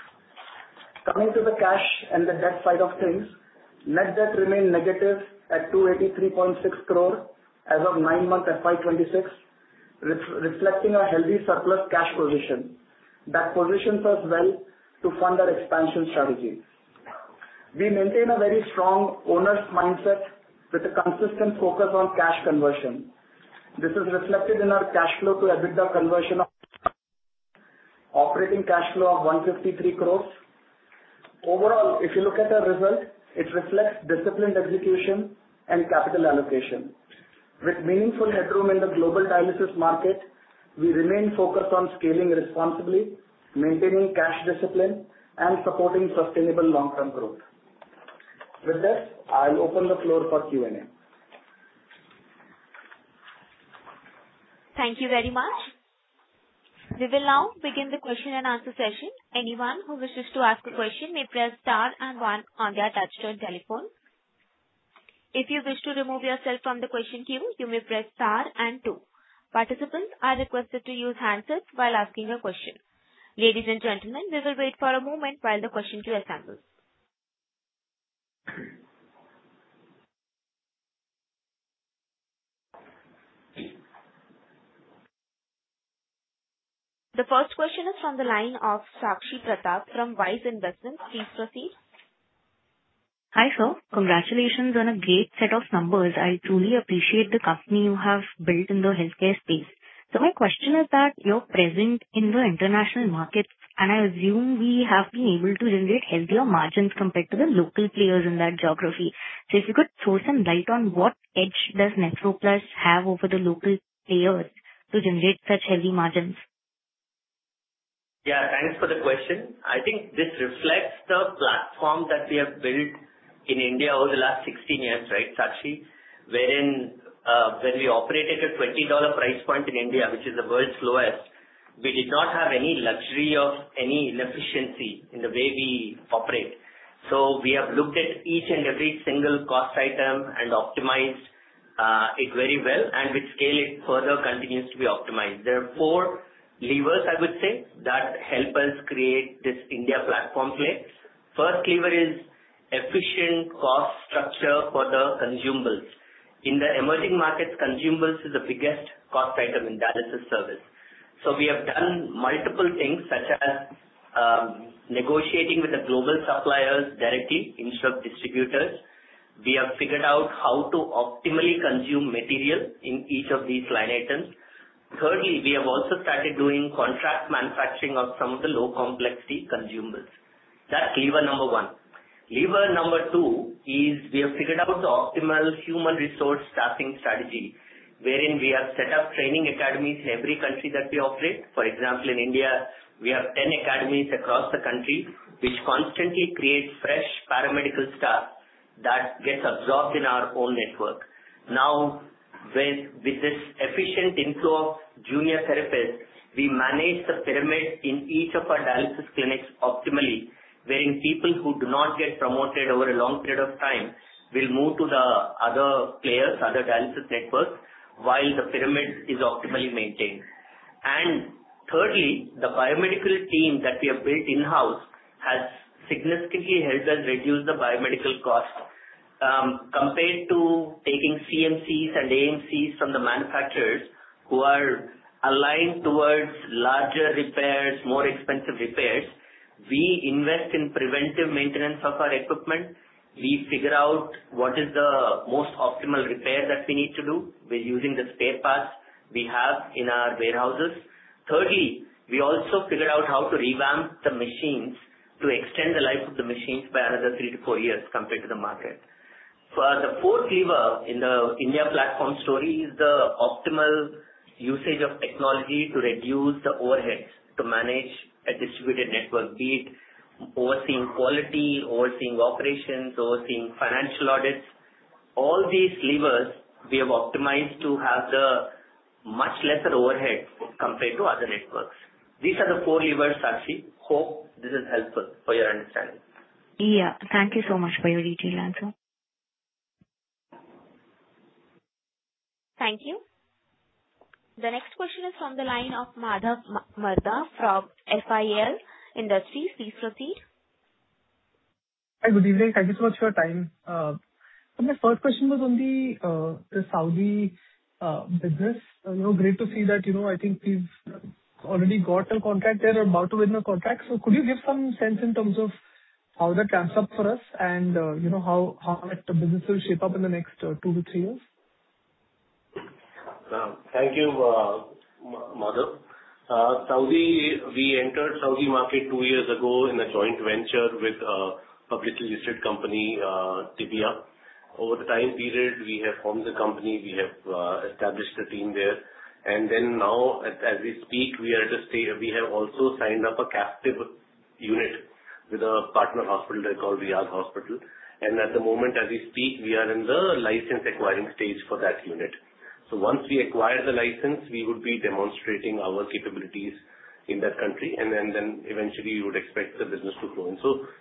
Coming to the cash and the debt side of things, net debt remained negative at 283.6 crore as of nine months FY 2026, reflecting a healthy surplus cash position. That positions us well to fund our expansion strategy. We maintain a very strong owners mindset with a consistent focus on cash conversion. This is reflected in our cash flow to EBITDA conversion of operating cash flow of 153 crores. Overall, if you look at our result, it reflects disciplined execution and capital allocation. With meaningful headroom in the global dialysis market, we remain focused on scaling responsibly, maintaining cash discipline, and supporting sustainable long-term growth. With this, I'll open the floor for Q&A. Thank you very much. We will now begin the question and answer session. Anyone who wishes to ask a question may press star and one on their touch-tone telephone. If you wish to remove yourself from the question queue, you may press star and two. Participants are requested to use handsets while asking a question. Ladies and gentlemen, we will wait for a moment while the question queue assembles. The first question is from the line of Sakshi Pratap from Wise Investment. Please proceed. Hi, sir. Congratulations on a great set of numbers. I truly appreciate the company you have built in the healthcare space. My question is that you're present in the international markets, and I assume we have been able to generate healthier margins compared to the local players in that geography. If you could throw some light on what edge does NephroPlus have over the local players to generate such heavy margins? Yeah, thanks for the question. I think this reflects the platform that we have built in India over the last 16 years, right, Sakshi, wherein, when we operated a $20 price point in India, which is the world's lowest, we did not have any luxury of any inefficiency in the way we operate. We have looked at each and every single cost item and optimized it very well, and with scale it further continues to be optimized. There are four levers, I would say, that help us create this India platform play. First lever is efficient cost structure for the consumables. In the emerging markets, consumables is the biggest cost item in dialysis service. We have done multiple things, such as, negotiating with the global suppliers directly instead of distributors. We have figured out how to optimally consume material in each of these line items. Thirdly, we have also started doing contract manufacturing of some of the low complexity consumables. That's lever number one. Lever number two is we have figured out the optimal human resource staffing strategy, wherein we have set up training academies in every country that we operate. For example, in India, we have 10 academies across the country, which constantly create fresh paramedical staff that gets absorbed in our own network. Now, with this efficient inflow of junior therapists, we manage the pyramid in each of our dialysis clinics optimally, wherein people who do not get promoted over a long period of time will move to the other players, other dialysis networks, while the pyramid is optimally maintained. Thirdly, the biomedical team that we have built in-house has significantly helped us reduce the biomedical cost. Compared to taking CMC and AMC from the manufacturers who are aligned towards larger repairs, more expensive repairs, we invest in preventive maintenance of our equipment. We figure out what is the most optimal repair that we need to do. We're using the spare parts we have in our warehouses. Thirdly, we also figured out how to revamp the machines to extend the life of the machines by another 3-4 years compared to the market. The fourth lever in the India platform story is the optimal usage of technology to reduce the overheads to manage a distributed network, be it overseeing quality, overseeing operations, overseeing financial audits. All these levers we have optimized to have the much lesser overhead compared to other networks. These are the four levers, Sakshi. I hope this is helpful for your understanding. Yeah. Thank you so much for your detailed answer. Thank you. The next question is from the line of Madhav Mada from FIL Industries. Please proceed. Hi. Good evening. Thank you so much for your time. My first question was on the Saudi business. You know, great to see that, you know, I think we've already got a contract there or about to win a contract. Could you give some sense in terms of how that adds up for us and, you know, how that business will shape up in the next two to three years? Thank you, Madhav. Saudi, we entered Saudi market two years ago in a joint venture with a publicly listed company, Tibbiyah. Over the time period, we have formed the company, we have established a team there, and then now as we speak, we are at a stage we have also signed up a captive unit with a partner hospital called Riyadh Hospital. At the moment, as we speak, we are in the license acquiring stage for that unit. Once we acquire the license, we would be demonstrating our capabilities in that country and then eventually you would expect the business to grow.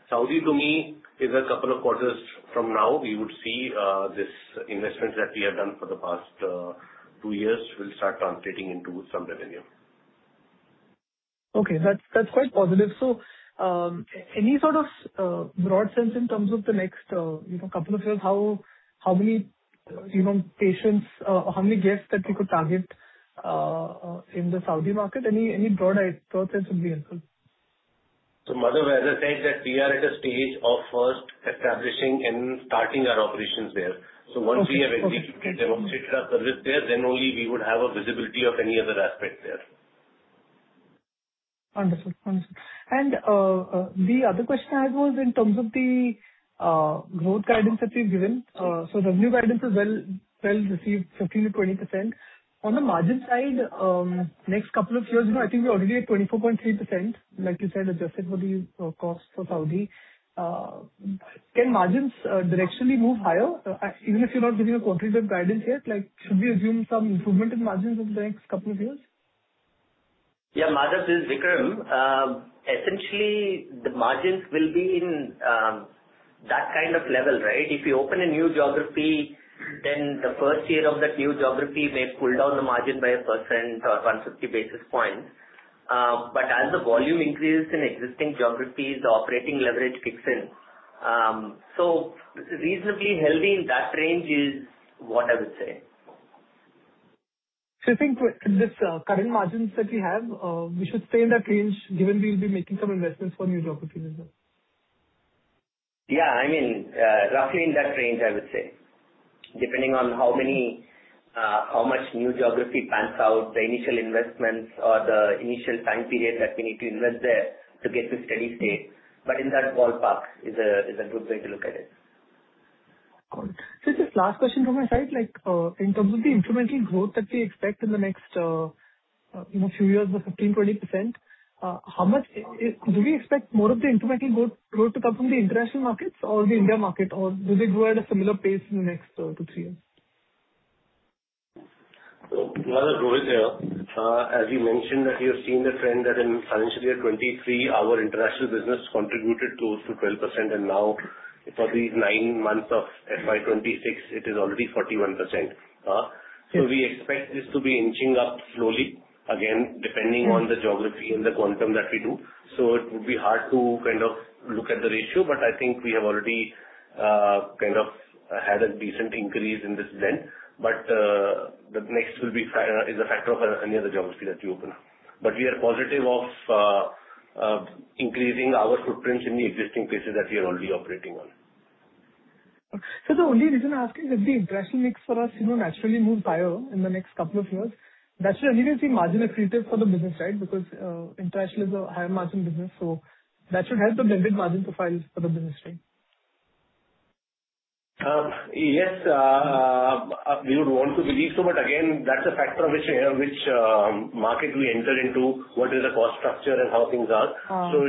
Saudi to me is a couple of quarters from now, we would see this investment that we have done for the past two years will start translating into some revenue. Okay. That's quite positive. Any sort of broad sense in terms of the next, you know, couple of years, how many, you know, patients, how many guests that you could target in the Saudi market? Any broad sense would be helpful. Madhav, as I said that we are at a stage of first establishing and starting our operations there. Okay, okay. Once we have established our service there, then only we would have a visibility of any other aspect there. Understood. The other question I had was in terms of the growth guidance that you've given. The new guidance is well received 15%-20%. On the margin side, next couple of years, you know, I think we're already at 24.3%, like you said, adjusted for the costs for Saudi. Can margins directionally move higher, even if you're not giving a quantitative guidance yet, like should we assume some improvement in margins over the next couple of years? Yeah, Madhav, this is Vikram. Essentially the margins will be in that kind of level, right? If you open a new geography, then the first year of that new geography may pull down the margin by 1% or 150 basis points. As the volume increases in existing geographies, the operating leverage kicks in. Reasonably healthy in that range is what I would say. You think with this, current margins that we have, we should stay in that range given we'll be making some investments for new geographies as well? Yeah, I mean, roughly in that range, I would say. Depending on how many, how much new geography pans out, the initial investments or the initial time period that we need to invest there to get to steady state. In that ballpark is a good way to look at it. Got it. Just last question from my side, like, in terms of the incremental growth that we expect in the next, you know, few years of 15%-20%, how much do we expect more of the incremental growth to come from the international markets or the India market, or do they grow at a similar pace in the next 2-3 years? Madhav, Rohit here. As you mentioned that you have seen the trend that in financial year 2023, our international business contributed close to 12%, and now for these nine months of FY 2026 it is already 41%. We expect this to be inching up slowly again, depending on the geography and the quantum that we do. It would be hard to kind of look at the ratio, but I think we have already kind of had a decent increase in this trend. The next is a factor of any other geography that we open up. We are positive of increasing our footprints in the existing places that we are already operating on. The only reason I ask is if the international mix for us, you know, naturally moves higher in the next couple of years, that should immediately be margin accretive for the business, right? Because, international is a higher margin business, so that should help the blended margin profiles for the business, right? Yes, we would want to believe so. Again, that's a factor which market we enter into, what is the cost structure and how things are.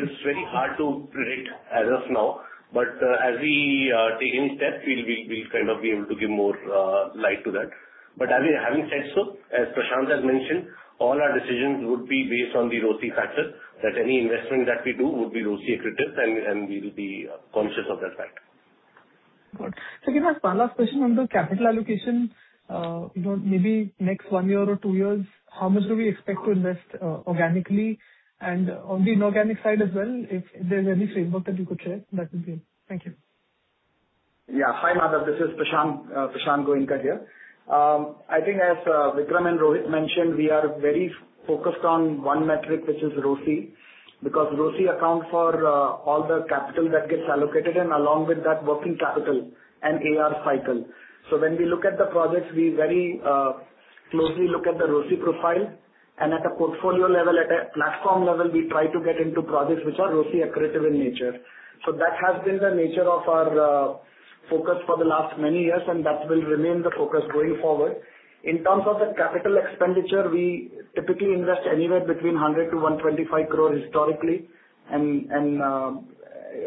It's very hard to predict as of now. As we take each step, we'll kind of be able to give more light to that. Having said so, as Prashant has mentioned, all our decisions would be based on the ROCE factor, that any investment that we do would be ROCE accretive and we will be conscious of that fact. Got it. Can I ask one last question on the capital allocation, you know, maybe next one year or two years, how much do we expect to invest, organically and on the inorganic side as well, if there's any framework that you could share. Thank you. Yeah. Hi, Madhav, this is Prashant Goenka here. I think as Vikram and Rohit mentioned, we are very focused on one metric, which is ROCE, because ROCE account for all the capital that gets allocated and along with that working capital and AR cycle. When we look at the projects, we very closely look at the ROCE profile and at a portfolio level, at a platform level, we try to get into projects which are ROCE accretive in nature. That has been the nature of our focus for the last many years, and that will remain the focus going forward. In terms of the capital expenditure, we typically invest anywhere between 100 crore-125 crore historically.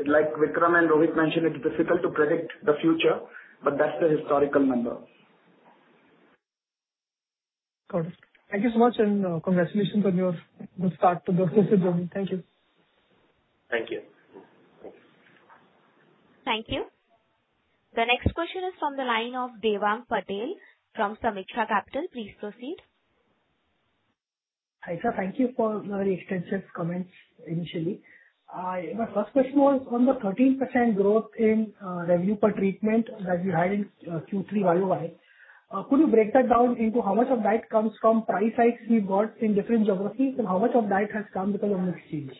Like Vikram and Rohit mentioned, it's difficult to predict the future, but that's the historical number. Got it. Thank you so much, and congratulations on the start to the ROCE journey. Thank you. Thank you. Thank you. The next question is from the line of Devang Patel from Sameeksha Capital. Please proceed. Hi, sir. Thank you for your extensive comments initially. My first question was on the 13% growth in revenue per treatment that you had in Q3 YoY. Could you break that down into how much of that comes from price hikes you got in different geographies and how much of that has come because of mix change?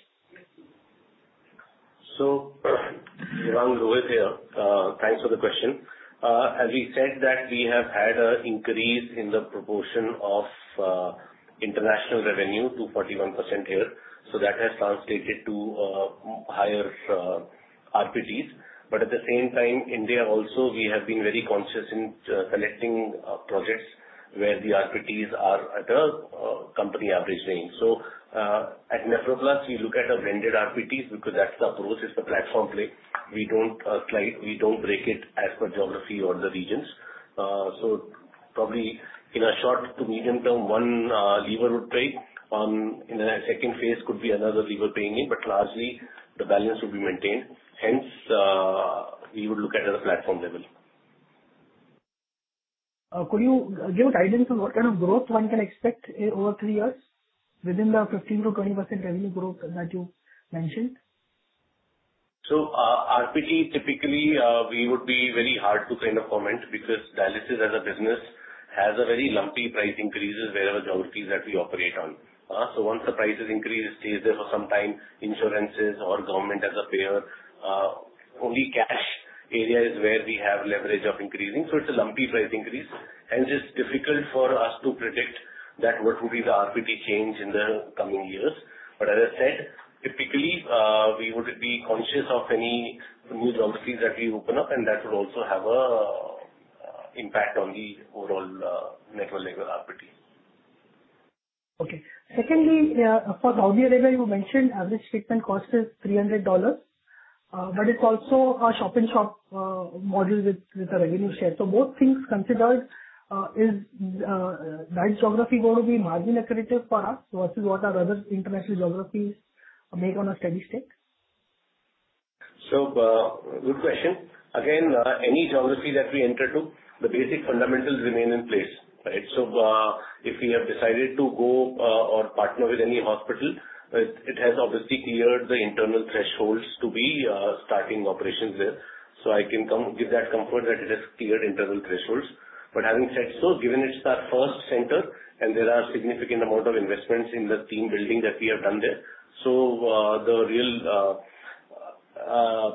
Devang, Rohit here. Thanks for the question. As we said that we have had an increase in the proportion of international revenue to 41% here, that has translated to higher RPTs. But at the same time, India also, we have been very conscious in selecting projects where the RPTs are at a company average range. At NephroPlus, we look at a blended RPTs because that's the approach, it's the platform play. We don't break it as per geography or the regions. Probably in a short to medium term, one lever would break. In a second phase could be another lever breaking, but largely the balance will be maintained. Hence, we would look at a platform level. Could you give guidance on what kind of growth one can expect over three years within the 15%-20% revenue growth that you mentioned? RPT typically, it would be very hard to kind of comment because dialysis as a business has a very lumpy price increases in whatever geographies that we operate in. Once the price is increased, it stays there for some time, insurances or government as a payer. Only cash area is where we have leverage of increasing. It's a lumpy price increase, and it's difficult for us to predict what the RPT change will be in the coming years. As I said, typically, we would be conscious of any new geographies that we open up, and that would also have an impact on the overall network level RPT. Okay. Secondly, for Georgia level, you mentioned average treatment cost is $300. But it's also a shop-in-shop model with a revenue share. Both things considered, is the geography going to be margin accretive for us versus what our other international geographies make on a steady-state? Good question. Again, any geography that we enter to, the basic fundamentals remain in place, right? If we have decided to go, or partner with any hospital, it has obviously cleared the internal thresholds to be starting operations there. I can give that comfort that it has cleared internal thresholds. Having said so, given it's our first center and there are significant amount of investments in the team building that we have done there. The real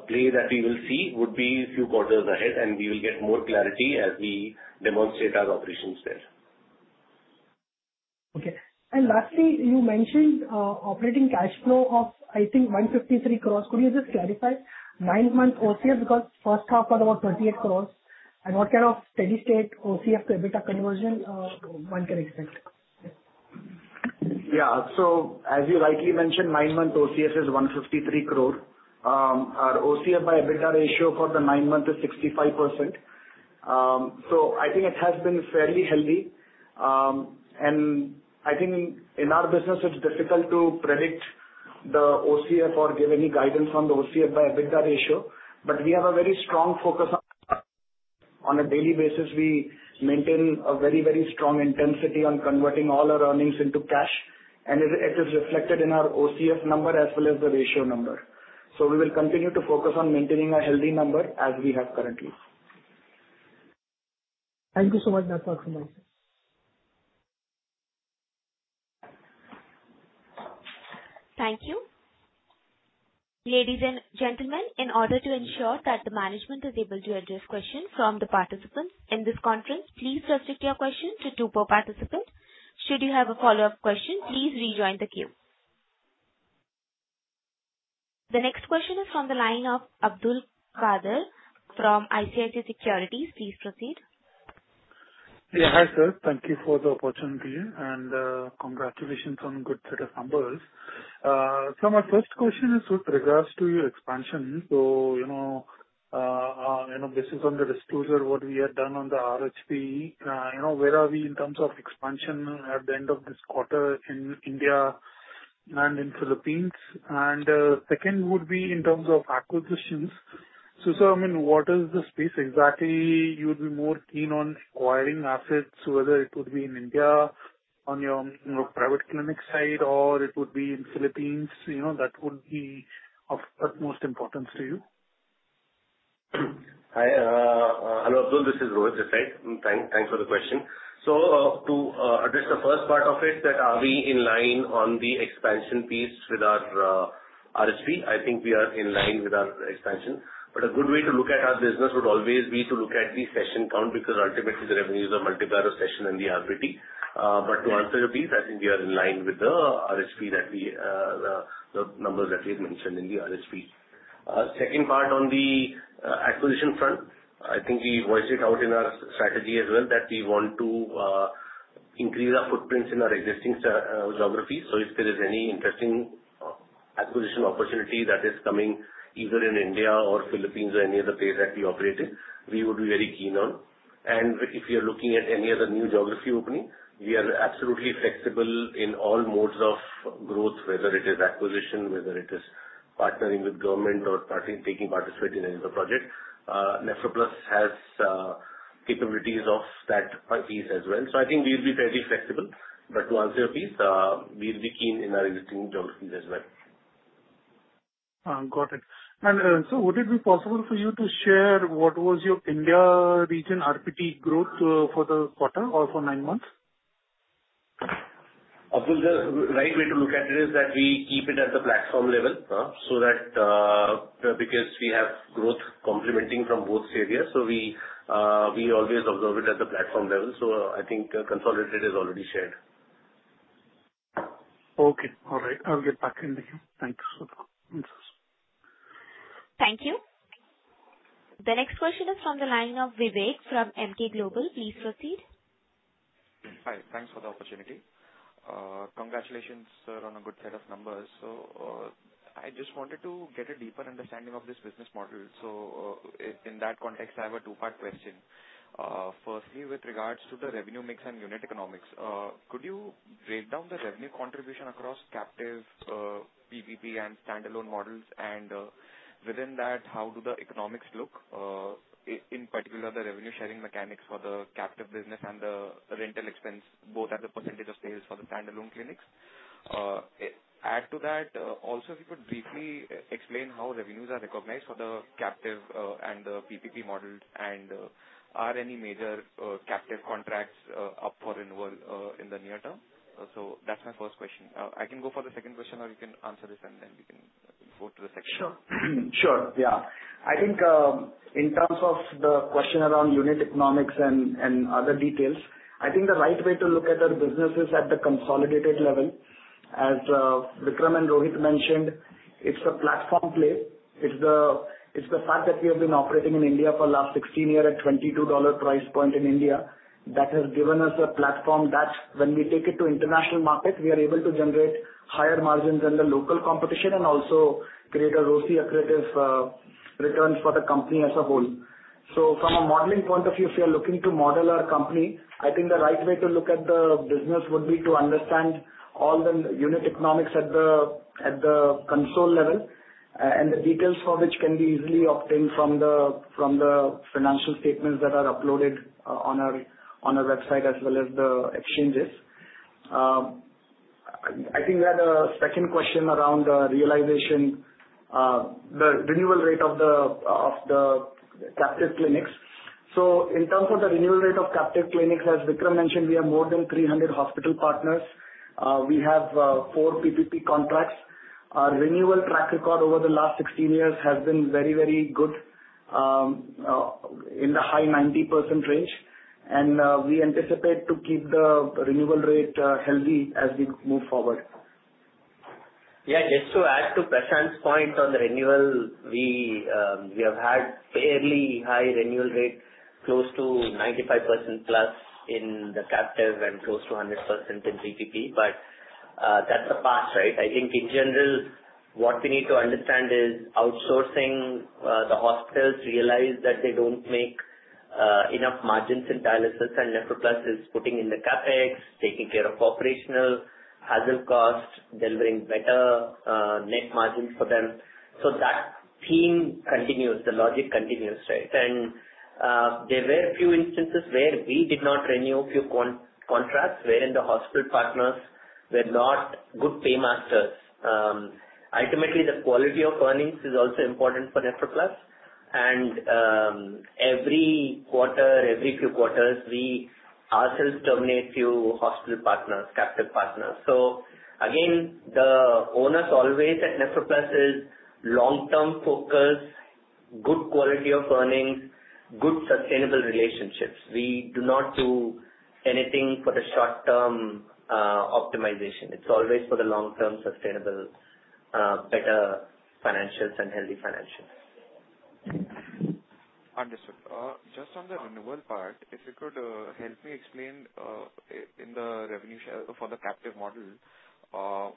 play that we will see would be few quarters ahead, and we will get more clarity as we demonstrate our operations there. Okay. Lastly, you mentioned operating cash flow of, I think, 153 crores. Could you just clarify nine-month OCF because first half was about 38 crores, and what kind of steady-state OCF to EBITDA conversion one can expect? Yeah. As you rightly mentioned, nine-month OCF is 153 crore. Our OCF by EBITDA ratio for the nine-month is 65%. I think it has been fairly healthy. I think in our business it's difficult to predict the OCF or give any guidance on the OCF by EBITDA ratio. We have a very strong focus. On a daily basis we maintain a very, very strong intensity on converting all our earnings into cash, and it is reflected in our OCF number as well as the ratio number. We will continue to focus on maintaining a healthy number as we have currently. Thank you so much. That's all from my side. Thank you. Ladies and gentlemen, in order to ensure that the management is able to address questions from the participants in this conference, please restrict your questions to two per participant. Should you have a follow-up question, please rejoin the queue. The next question is from the line of Abdulkader from ICICI Securities. Please proceed. Yeah, hi, sir. Thank you for the opportunity and, congratulations on good set of numbers. My first question is with regards to your expansion. You know, this is on the disclosure what we had done on the RHP. You know, where are we in terms of expansion at the end of this quarter in India and in Philippines? Second would be in terms of acquisitions. Sir, I mean, what is the space exactly you would be more keen on acquiring assets, whether it would be in India on your, you know, private clinic side or it would be in Philippines. You know, that would be of utmost importance to you. Hi, hello, Abdul. This is Rohit. Thanks for the question. To address the first part of it, that are we in line on the expansion piece with our RHP. I think we are in line with our expansion. A good way to look at our business would always be to look at the session count, because ultimately the revenues are multiplier of session and the RPT. To answer your piece, I think we are in line with the RHP that we, the numbers that we had mentioned in the RHP. Second part on the acquisition front. I think we voiced it out in our strategy as well, that we want to increase our footprints in our existing geographies. If there is any interesting acquisition opportunity that is coming, either in India or Philippines or any other place that we operate in, we would be very keen on. If you're looking at any other new geography opening, we are absolutely flexible in all modes of growth, whether it is acquisition, whether it is partnering with government or partnering, taking participation in any of the project. NephroPlus has capabilities of that piece as well. I think we'll be fairly flexible. To answer your piece, we'll be keen in our existing geographies as well. Got it. Would it be possible for you to share what was your India region RPT growth for the quarter or for nine months? Abdul, the right way to look at it is that we keep it at the platform level, so that, because we have growth complementing from both areas. We always observe it at the platform level. I think consolidated is already shared. Okay. All right. I'll get back in the queue. Thanks for the answers. Thank you. The next question is from the line of Vivek from Emkay Global. Please proceed. Hi. Thanks for the opportunity. Congratulations, sir, on a good set of numbers. I just wanted to get a deeper understanding of this business model. In that context, I have a two-part question. Firstly, with regards to the revenue mix and unit economics, could you break down the revenue contribution across captive, PPP and standalone models, and, within that, how do the economics look? In particular, the revenue sharing mechanics for the captive business and the rental expense, both as a percentage of sales for the standalone clinics. Add to that, also if you could briefly explain how revenues are recognized for the captive, and the PPP models, and, are any major, captive contracts, up for renewal, in the near term? That's my first question. I can go for the second question, or you can answer this, and then we can go to the section. I think in terms of the question around unit economics and other details, I think the right way to look at our business is at the consolidated level. As Vikram and Rohit mentioned, it's a platform play. It's the fact that we have been operating in India for the last 16 years at $22 price point in India. That has given us a platform that when we take it to international markets, we are able to generate higher margins than the local competition and also create a ROCE accretive returns for the company as a whole. From a modeling point of view, if you're looking to model our company, I think the right way to look at the business would be to understand all the unit economics at the console level, and the details for which can be easily obtained from the financial statements that are uploaded on our website as well as the exchanges. I think we had a second question around realization, the renewal rate of the captive clinics. In terms of the renewal rate of captive clinics, as Vikram mentioned, we have more than 300 hospital partners. We have four PPP contracts. Our renewal track record over the last 16 years has been very good in the high 90% range. We anticipate to keep the renewal rate healthy as we move forward. Yeah. Just to add to Prashant's point on the renewal, we have had fairly high renewal rate, close to 95%+ in the captive and close to 100% in PPP. That's the past, right? I think in general, what we need to understand is outsourcing. The hospitals realize that they don't make enough margins in dialysis, and NephroPlus is putting in the CapEx, taking care of operational hazard costs, delivering better net margins for them. That theme continues. The logic continues, right? There were a few instances where we did not renew a few contracts wherein the hospital partners were not good paymasters. Ultimately, the quality of earnings is also important for NephroPlus. Every quarter, every few quarters, we ourselves terminate few hospital partners, captive partners. Again, the onus always at NephroPlus is long-term focus, good quality of earnings, good sustainable relationships. We do not do anything for the short-term, optimization. It's always for the long-term, sustainable, better financials and healthy financials. Understood. Just on the renewal part, if you could help me explain in the revenue share for the captive model, how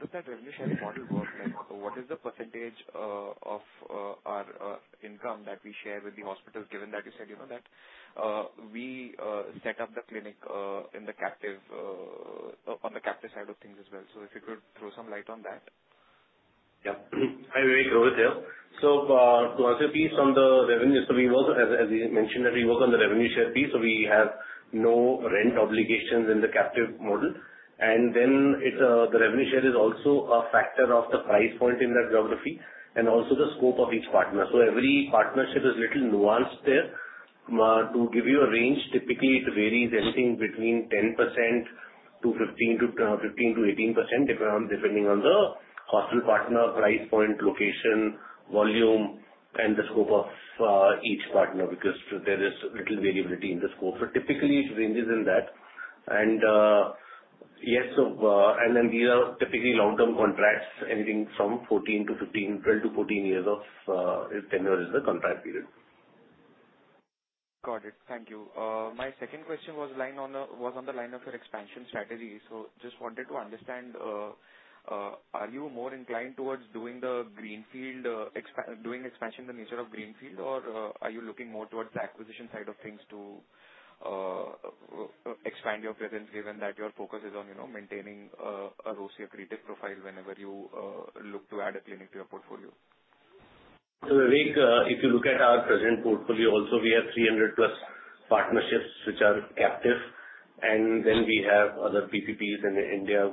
does that revenue sharing model work? Like, what is the percentage of our income that we share with the hospital, given that you said, you know, that we set up the clinic in the captive on the captive side of things as well. If you could throw some light on that. Yeah. Hi, Vivek. Rohit here. To answer piece on the revenue, as we mentioned, we work on the revenue share piece, so we have no rent obligations in the captive model. The revenue share is also a factor of the price point in that geography and also the scope of each partner. Every partnership is a little nuanced there. To give you a range, typically it varies anything between 10% to 15% to 15%-18%, depending on the hospital partner, price point, location, volume, and the scope of each partner, because there is a little variability in the scope. Typically it ranges in that. Yes. These are typically long-term contracts, anything from 14-15, 12-14 years of tenure is the contract period. Got it. Thank you. My second question was on the line of your expansion strategy. Just wanted to understand, are you more inclined towards doing expansion in the nature of greenfield? Or, are you looking more towards the acquisition side of things to expand your presence, given that your focus is on, you know, maintaining a ROCE accretive profile whenever you look to add a clinic to your portfolio? Vivek, if you look at our present portfolio also, we have 300+ partnerships which are captive, and then we have other PPPs in India,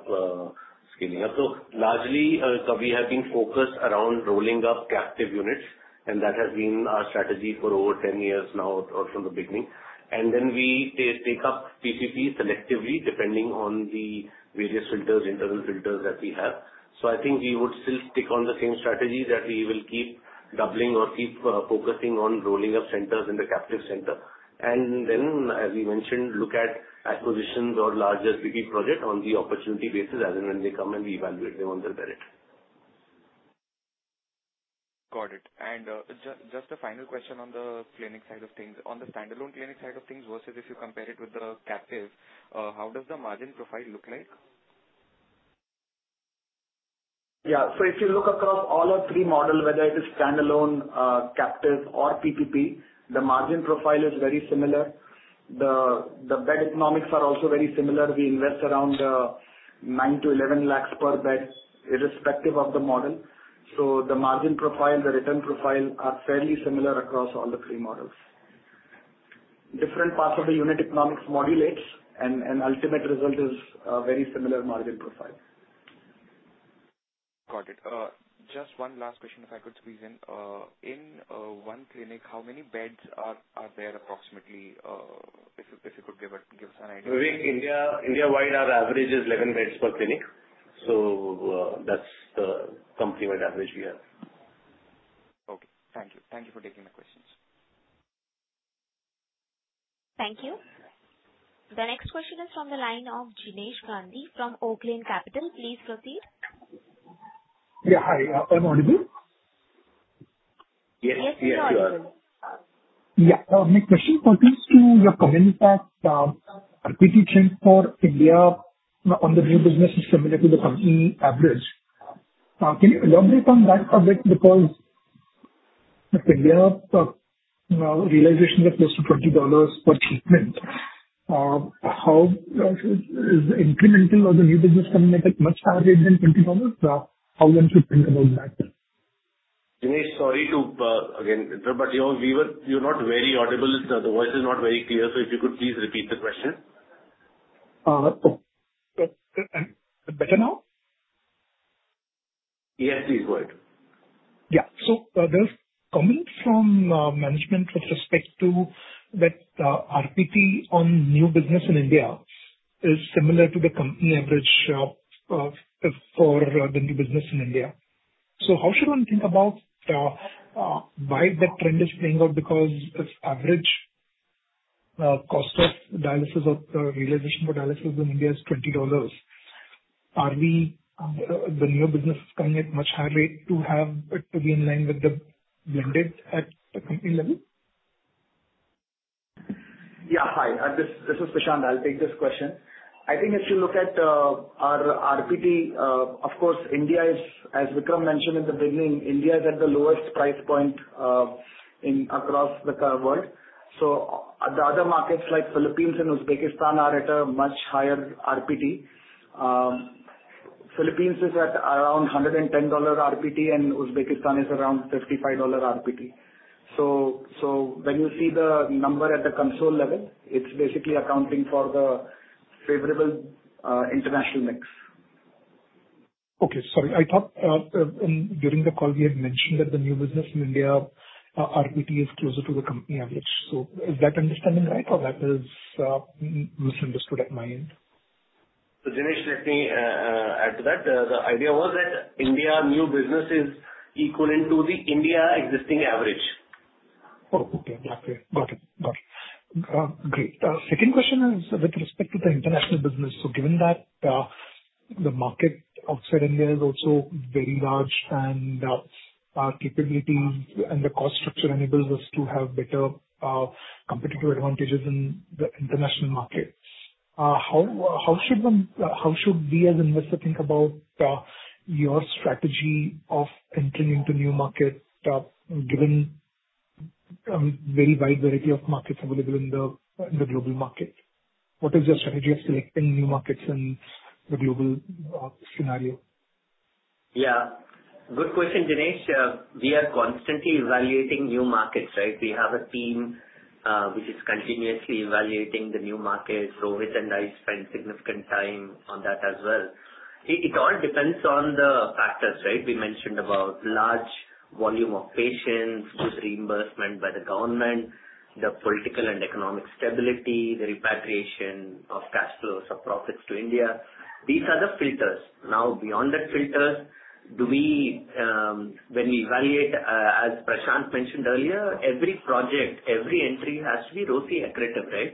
scaling up. Largely, we have been focused around rolling up captive units, and that has been our strategy for over 10 years now or from the beginning. Then we take up PPP selectively, depending on the various filters, internal filters that we have. I think we would still stick on the same strategy that we will keep doubling or keep focusing on rolling up centers in the captive center. Then, as we mentioned, look at acquisitions or larger PPP project on the opportunity basis as and when they come, and we evaluate them on their merit. Just a final question on the clinic side of things. On the standalone clinic side of things versus if you compare it with the captive, how does the margin profile look like? Yeah. If you look across all our three model, whether it is standalone, captive or PPP, the margin profile is very similar. The bed economics are also very similar. We invest around 9 lakhs-11 lakhs per bed irrespective of the model. The margin profile, the return profile are fairly similar across all the three models. Different parts of the unit economics modulates and ultimate result is a very similar margin profile. Got it. Just one last question if I could squeeze in. In one clinic, how many beds are there approximately? If you could give us an idea. Within India-wide, our average is 11 beds per clinic. That's the companywide average we have. Okay. Thank you. Thank you for taking my questions. Thank you. The next question is from the line of Jinesh Gandhi from Oaklane Capital. Please proceed. Yeah. Hi. Am I audible? Yes. Yeah, you are. Yes, you are audible. My question pertains to your comment that RPT change for India on the new business is similar to the company average. Can you elaborate on that a bit because if India's realization is close to $20 per treatment, how is incremental or the new business coming at a much higher rate than $20? How one should think about that? Jinesh, sorry to again interrupt you. You're not very audible. The voice is not very clear. So if you could please repeat the question. Better now? Yes, please go ahead. Yeah. There's comment from management with respect to that RPT on new business in India is similar to the company average for the new business in India. How should one think about why that trend is playing out? Because if average cost of dialysis or realization for dialysis in India is $20, the new business is coming at much higher rate to have it to be in line with the blended at the company level? Yeah. Hi, this is Prashant. I'll take this question. I think if you look at our RPT, of course, India is, as Vikram mentioned in the beginning, India is at the lowest price point in across the current world. The other markets like Philippines and Uzbekistan are at a much higher RPT. Philippines is at around $110 RPT and Uzbekistan is around $55 RPT. When you see the number at the consolidated level, it's basically accounting for the favorable international mix. Okay. Sorry. I thought during the call we had mentioned that the new business in India, RPT is closer to the company average. Is that understanding right or that is misunderstood at my end? Jinesh, let me add to that. The idea was that India new business is equivalent to the India existing average. Okay. Got it. Great. Second question is with respect to the international business. Given that, the market outside India is also very large and our capabilities and the cost structure enables us to have better competitive advantages in the international market, how should we as investor think about your strategy of entering into new market, given very wide variety of markets available in the global market? What is your strategy of selecting new markets in the global scenario? Yeah. Good question, Jinesh. We are constantly evaluating new markets, right? We have a team which is continuously evaluating the new markets. Rohit and I spend significant time on that as well. It all depends on the factors, right? We mentioned about large volume of patients, good reimbursement by the government, the political and economic stability, the repatriation of cash flows or profits to India. These are the filters. Now, beyond that filter, do we, when we evaluate, as Prashant mentioned earlier, every project, every entry has to be ROCE accretive, right?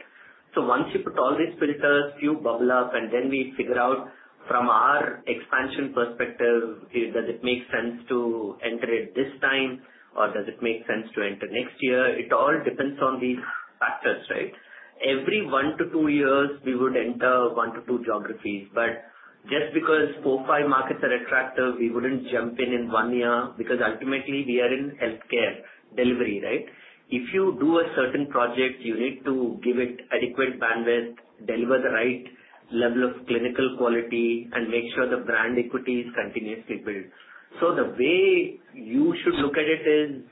Once you put all these filters, few bubble up, and then we figure out from our expansion perspective, does it make sense to enter it this time or does it make sense to enter next year? It all depends on these factors, right? Every one to two years we would enter one to two geographies. Just because four, five markets are attractive, we wouldn't jump in in one year because ultimately we are in healthcare delivery, right? If you do a certain project, you need to give it adequate bandwidth, deliver the right level of clinical quality and make sure the brand equity is continuously built. The way you should look at it is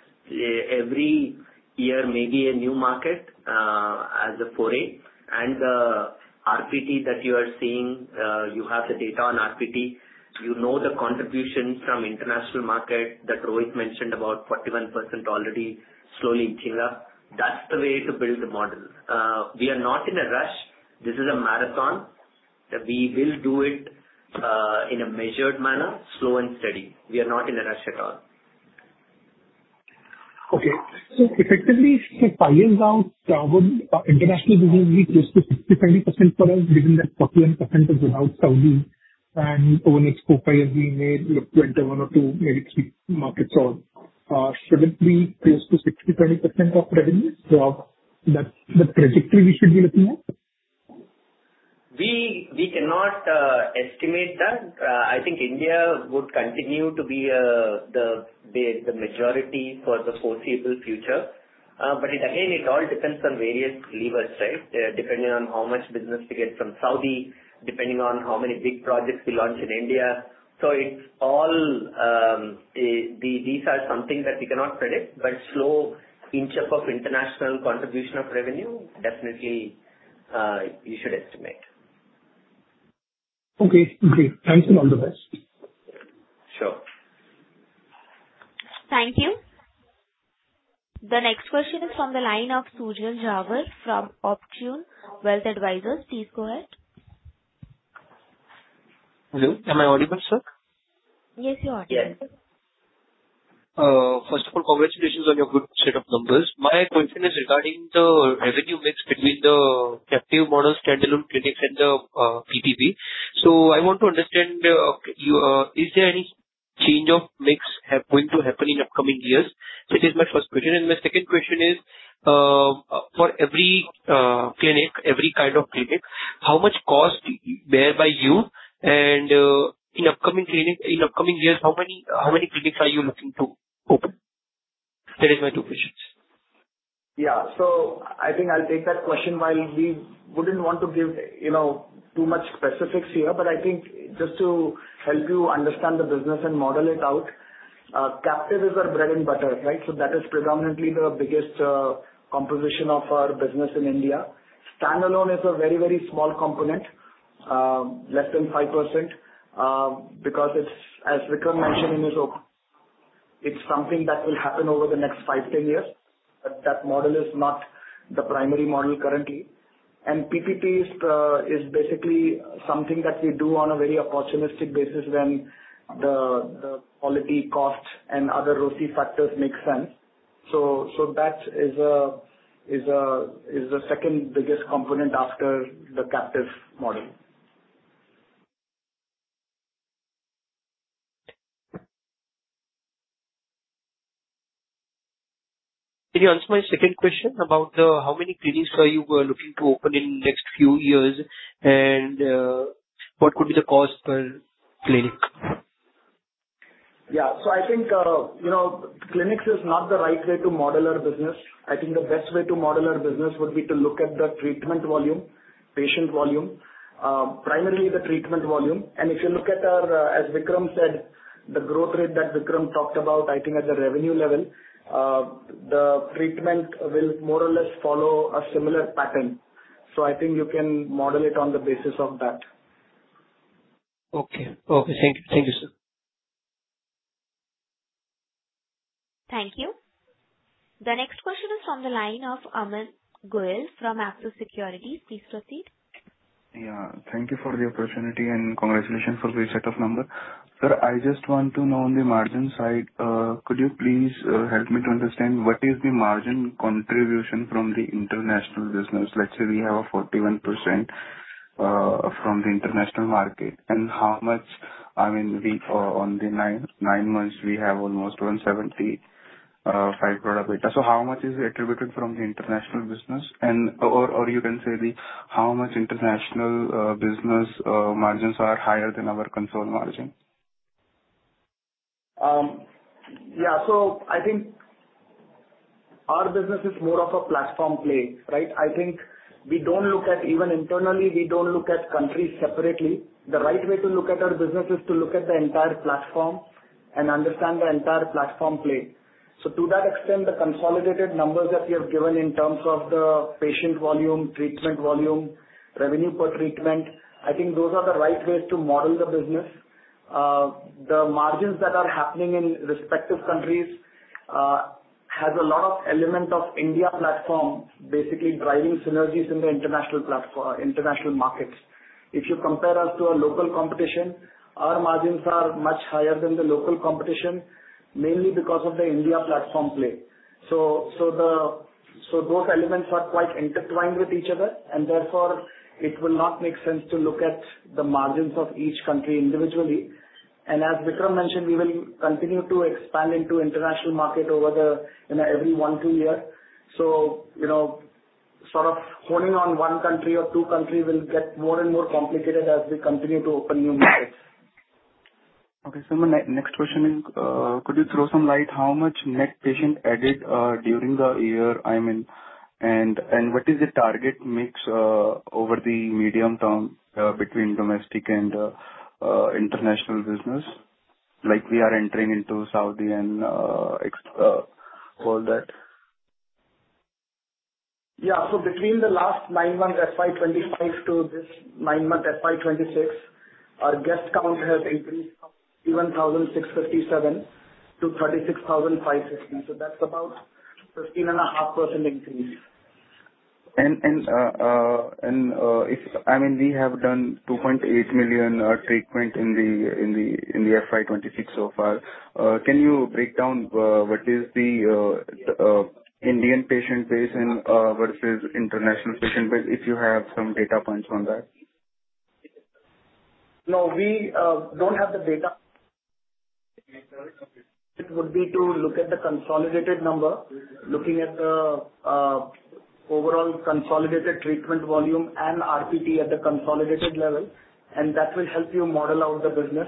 every year, maybe a new market, as a foray and the RPT that you are seeing, you have the data on RPT. You know the contributions from international market that Rohit mentioned about 41% already slowly inching up. That's the way to build the model. We are not in a rush. This is a marathon. We will do it, in a measured manner, slow and steady. We are not in a rush at all. Effectively, say five years down, would international business be close to 50%-20% for us, given that 41% is without Saudi? Over the [audio distortion] markets, or should it be close to 60%, 30% of revenue? That's the trajectory we should be looking at. We cannot estimate that. I think India would continue to be the majority for the foreseeable future. Again, it all depends on various levers, right? Depending on how much business we get from Saudi, depending on how many big projects we launch in India. It's all. These are some things that we cannot predict, but slow inch up of international contribution to revenue, definitely, you should estimate. Okay. Great. Thanks, and all the best. Sure. Thank you. The next question is from the line of [Surjan Jawa] from Opportune Wealth Advisors. Please go ahead. Hello, am I audible, sir? Yes, you're audible. Yes. First of all, congratulations on your good set of numbers. My question is regarding the revenue mix between the captive model standalone clinics and the PPP. I want to understand. Is there any change of mix happening in upcoming years? This is my first question. My second question is, for every clinic, every kind of clinic, how much cost borne by you and in upcoming years, how many clinics are you looking to open? That is my two questions. Yeah. I think I'll take that question. While we wouldn't want to give, you know, too much specifics here, but I think just to help you understand the business and model it out, captive is our bread and butter, right? That is predominantly the biggest composition of our business in India. Standalone is a very, very small component, less than 5%, because, as Vikram mentioned in his opening, it's something that will happen over the next five, 10 years. That model is not the primary model currently. PPP is basically something that we do on a very opportunistic basis when the quality, cost, and other ROCE factors make sense. That is the second-biggest component after the captive model. Can you answer my second question about how many clinics are you looking to open in next few years, and what could be the cost per clinic? Yeah. I think, you know, clinics is not the right way to model our business. I think the best way to model our business would be to look at the treatment volume, patient volume, primarily the treatment volume. If you look at our, as Vikram said, the growth rate that Vikram talked about, I think at the revenue level, the treatment will more or less follow a similar pattern. I think you can model it on the basis of that. Okay. Thank you, sir. Thank you. The next question is from the line of Aman Goyal from Axis Securities. Please proceed. Yeah. Thank you for the opportunity, and congratulations for the set of number. Sir, I just want to know on the margin side, could you please help me to understand what is the margin contribution from the international business? Let's say we have a 41% from the international market, and how much, I mean, we on the nine months, we have almost 175 crore. So how much is attributed from the international business? Or you can say the how much international business margins are higher than our consolidated margin. Yeah. I think our business is more of a platform play, right? I think we don't look at even internally, we don't look at countries separately. The right way to look at our business is to look at the entire platform and understand the entire platform play. To that extent, the consolidated numbers that we have given in terms of the patient volume, treatment volume, revenue per treatment, I think those are the right ways to model the business. The margins that are happening in respective countries has a lot of element of India platform basically driving synergies in the international platform, international markets. If you compare us to a local competition, our margins are much higher than the local competition, mainly because of the India platform play. Both elements are quite intertwined with each other, and therefore, it will not make sense to look at the margins of each country individually. As Vikram mentioned, we will continue to expand into international markets every one or two years. You know, sort of homing in on one country or two countries will get more and more complicated as we continue to open new markets. Okay. My next question is, could you throw some light how much net patient added during the year? I mean, and what is the target mix over the medium term between domestic and international business? Like, we are entering into Saudi and all that. Yeah. Between the last nine months, FY 2025 to this nine-month FY 2026, our guest count has increased from 11,657 to 36,560. That's about 15.5% increase. I mean, we have done 2.8 million treatments in the FY 2026 so far. Can you break down what is the Indian patient base and versus international patient base, if you have some data points on that? No, we don't have the data. Okay. It would be to look at the consolidated number. Looking at the overall consolidated treatment volume and RPT at the consolidated level, and that will help you model out the business.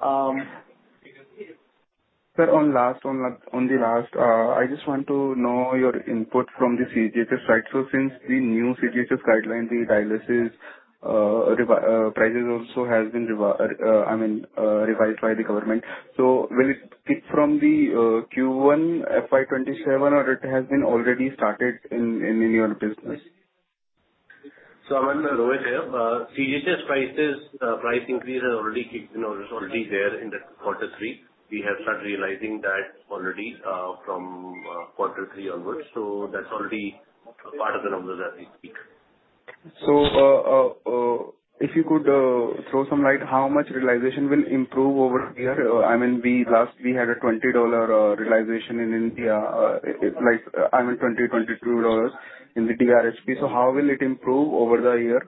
On the last, I just want to know your input from the CGHS side. Since the new CGHS guideline, the dialysis revised prices also has been revised by the government. Will it kick from the Q1 FY 2027 or it has been already started in your business? Aman, Rohit here. CGHS prices, price increase has already kicked in or is already there in the quarter three. We have started realizing that already, from quarter three onwards. That's already part of the numbers that we speak. If you could throw some light how much realization will improve over the year. I mean, we last had a $20 realization in India. It's like, I mean, $20, $22 in the DRHP. How will it improve over the year?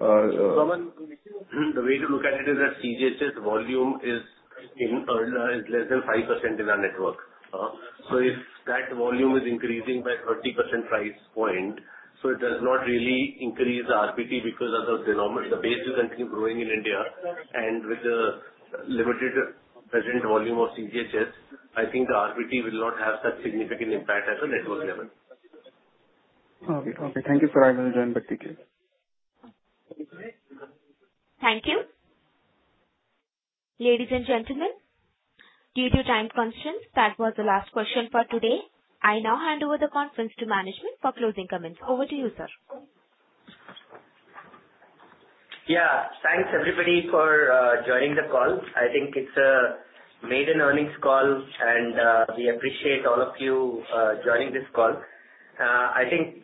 Aman, the way to look at it is that CGHS volume is less than 5% in our network. If that volume is increasing by 30% price point, it does not really increase the RPT because the base will continue growing in India and with the limited present volume of CGHS, I think the RPT will not have that significant impact at the network level. Okay. Thank you, sir. I will join back the queue. Thank you. Ladies and gentlemen, due to time constraints, that was the last question for today. I now hand over the conference to management for closing comments. Over to you, sir. Yeah. Thanks everybody for joining the call. I think it's a maiden earnings call and we appreciate all of you joining this call. I think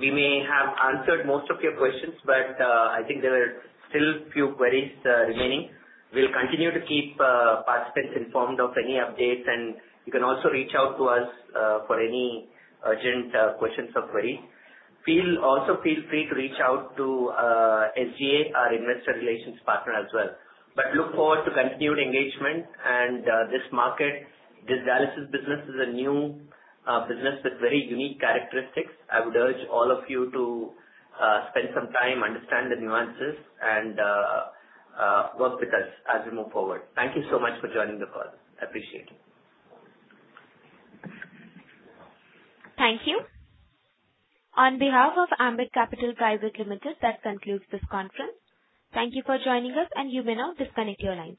we may have answered most of your questions, but I think there are still few queries remaining. We'll continue to keep participants informed of any updates, and you can also reach out to us for any urgent questions or queries. Also feel free to reach out to SGA, our investor relations partner as well. Look forward to continued engagement and this market. This dialysis business is a new business with very unique characteristics. I would urge all of you to spend some time, understand the nuances and work with us as we move forward. Thank you so much for joining the call. I appreciate it. Thank you. On behalf of Ambit Capital Private Limited, that concludes this conference. Thankyou for joining us, and you may now disconnect your lines.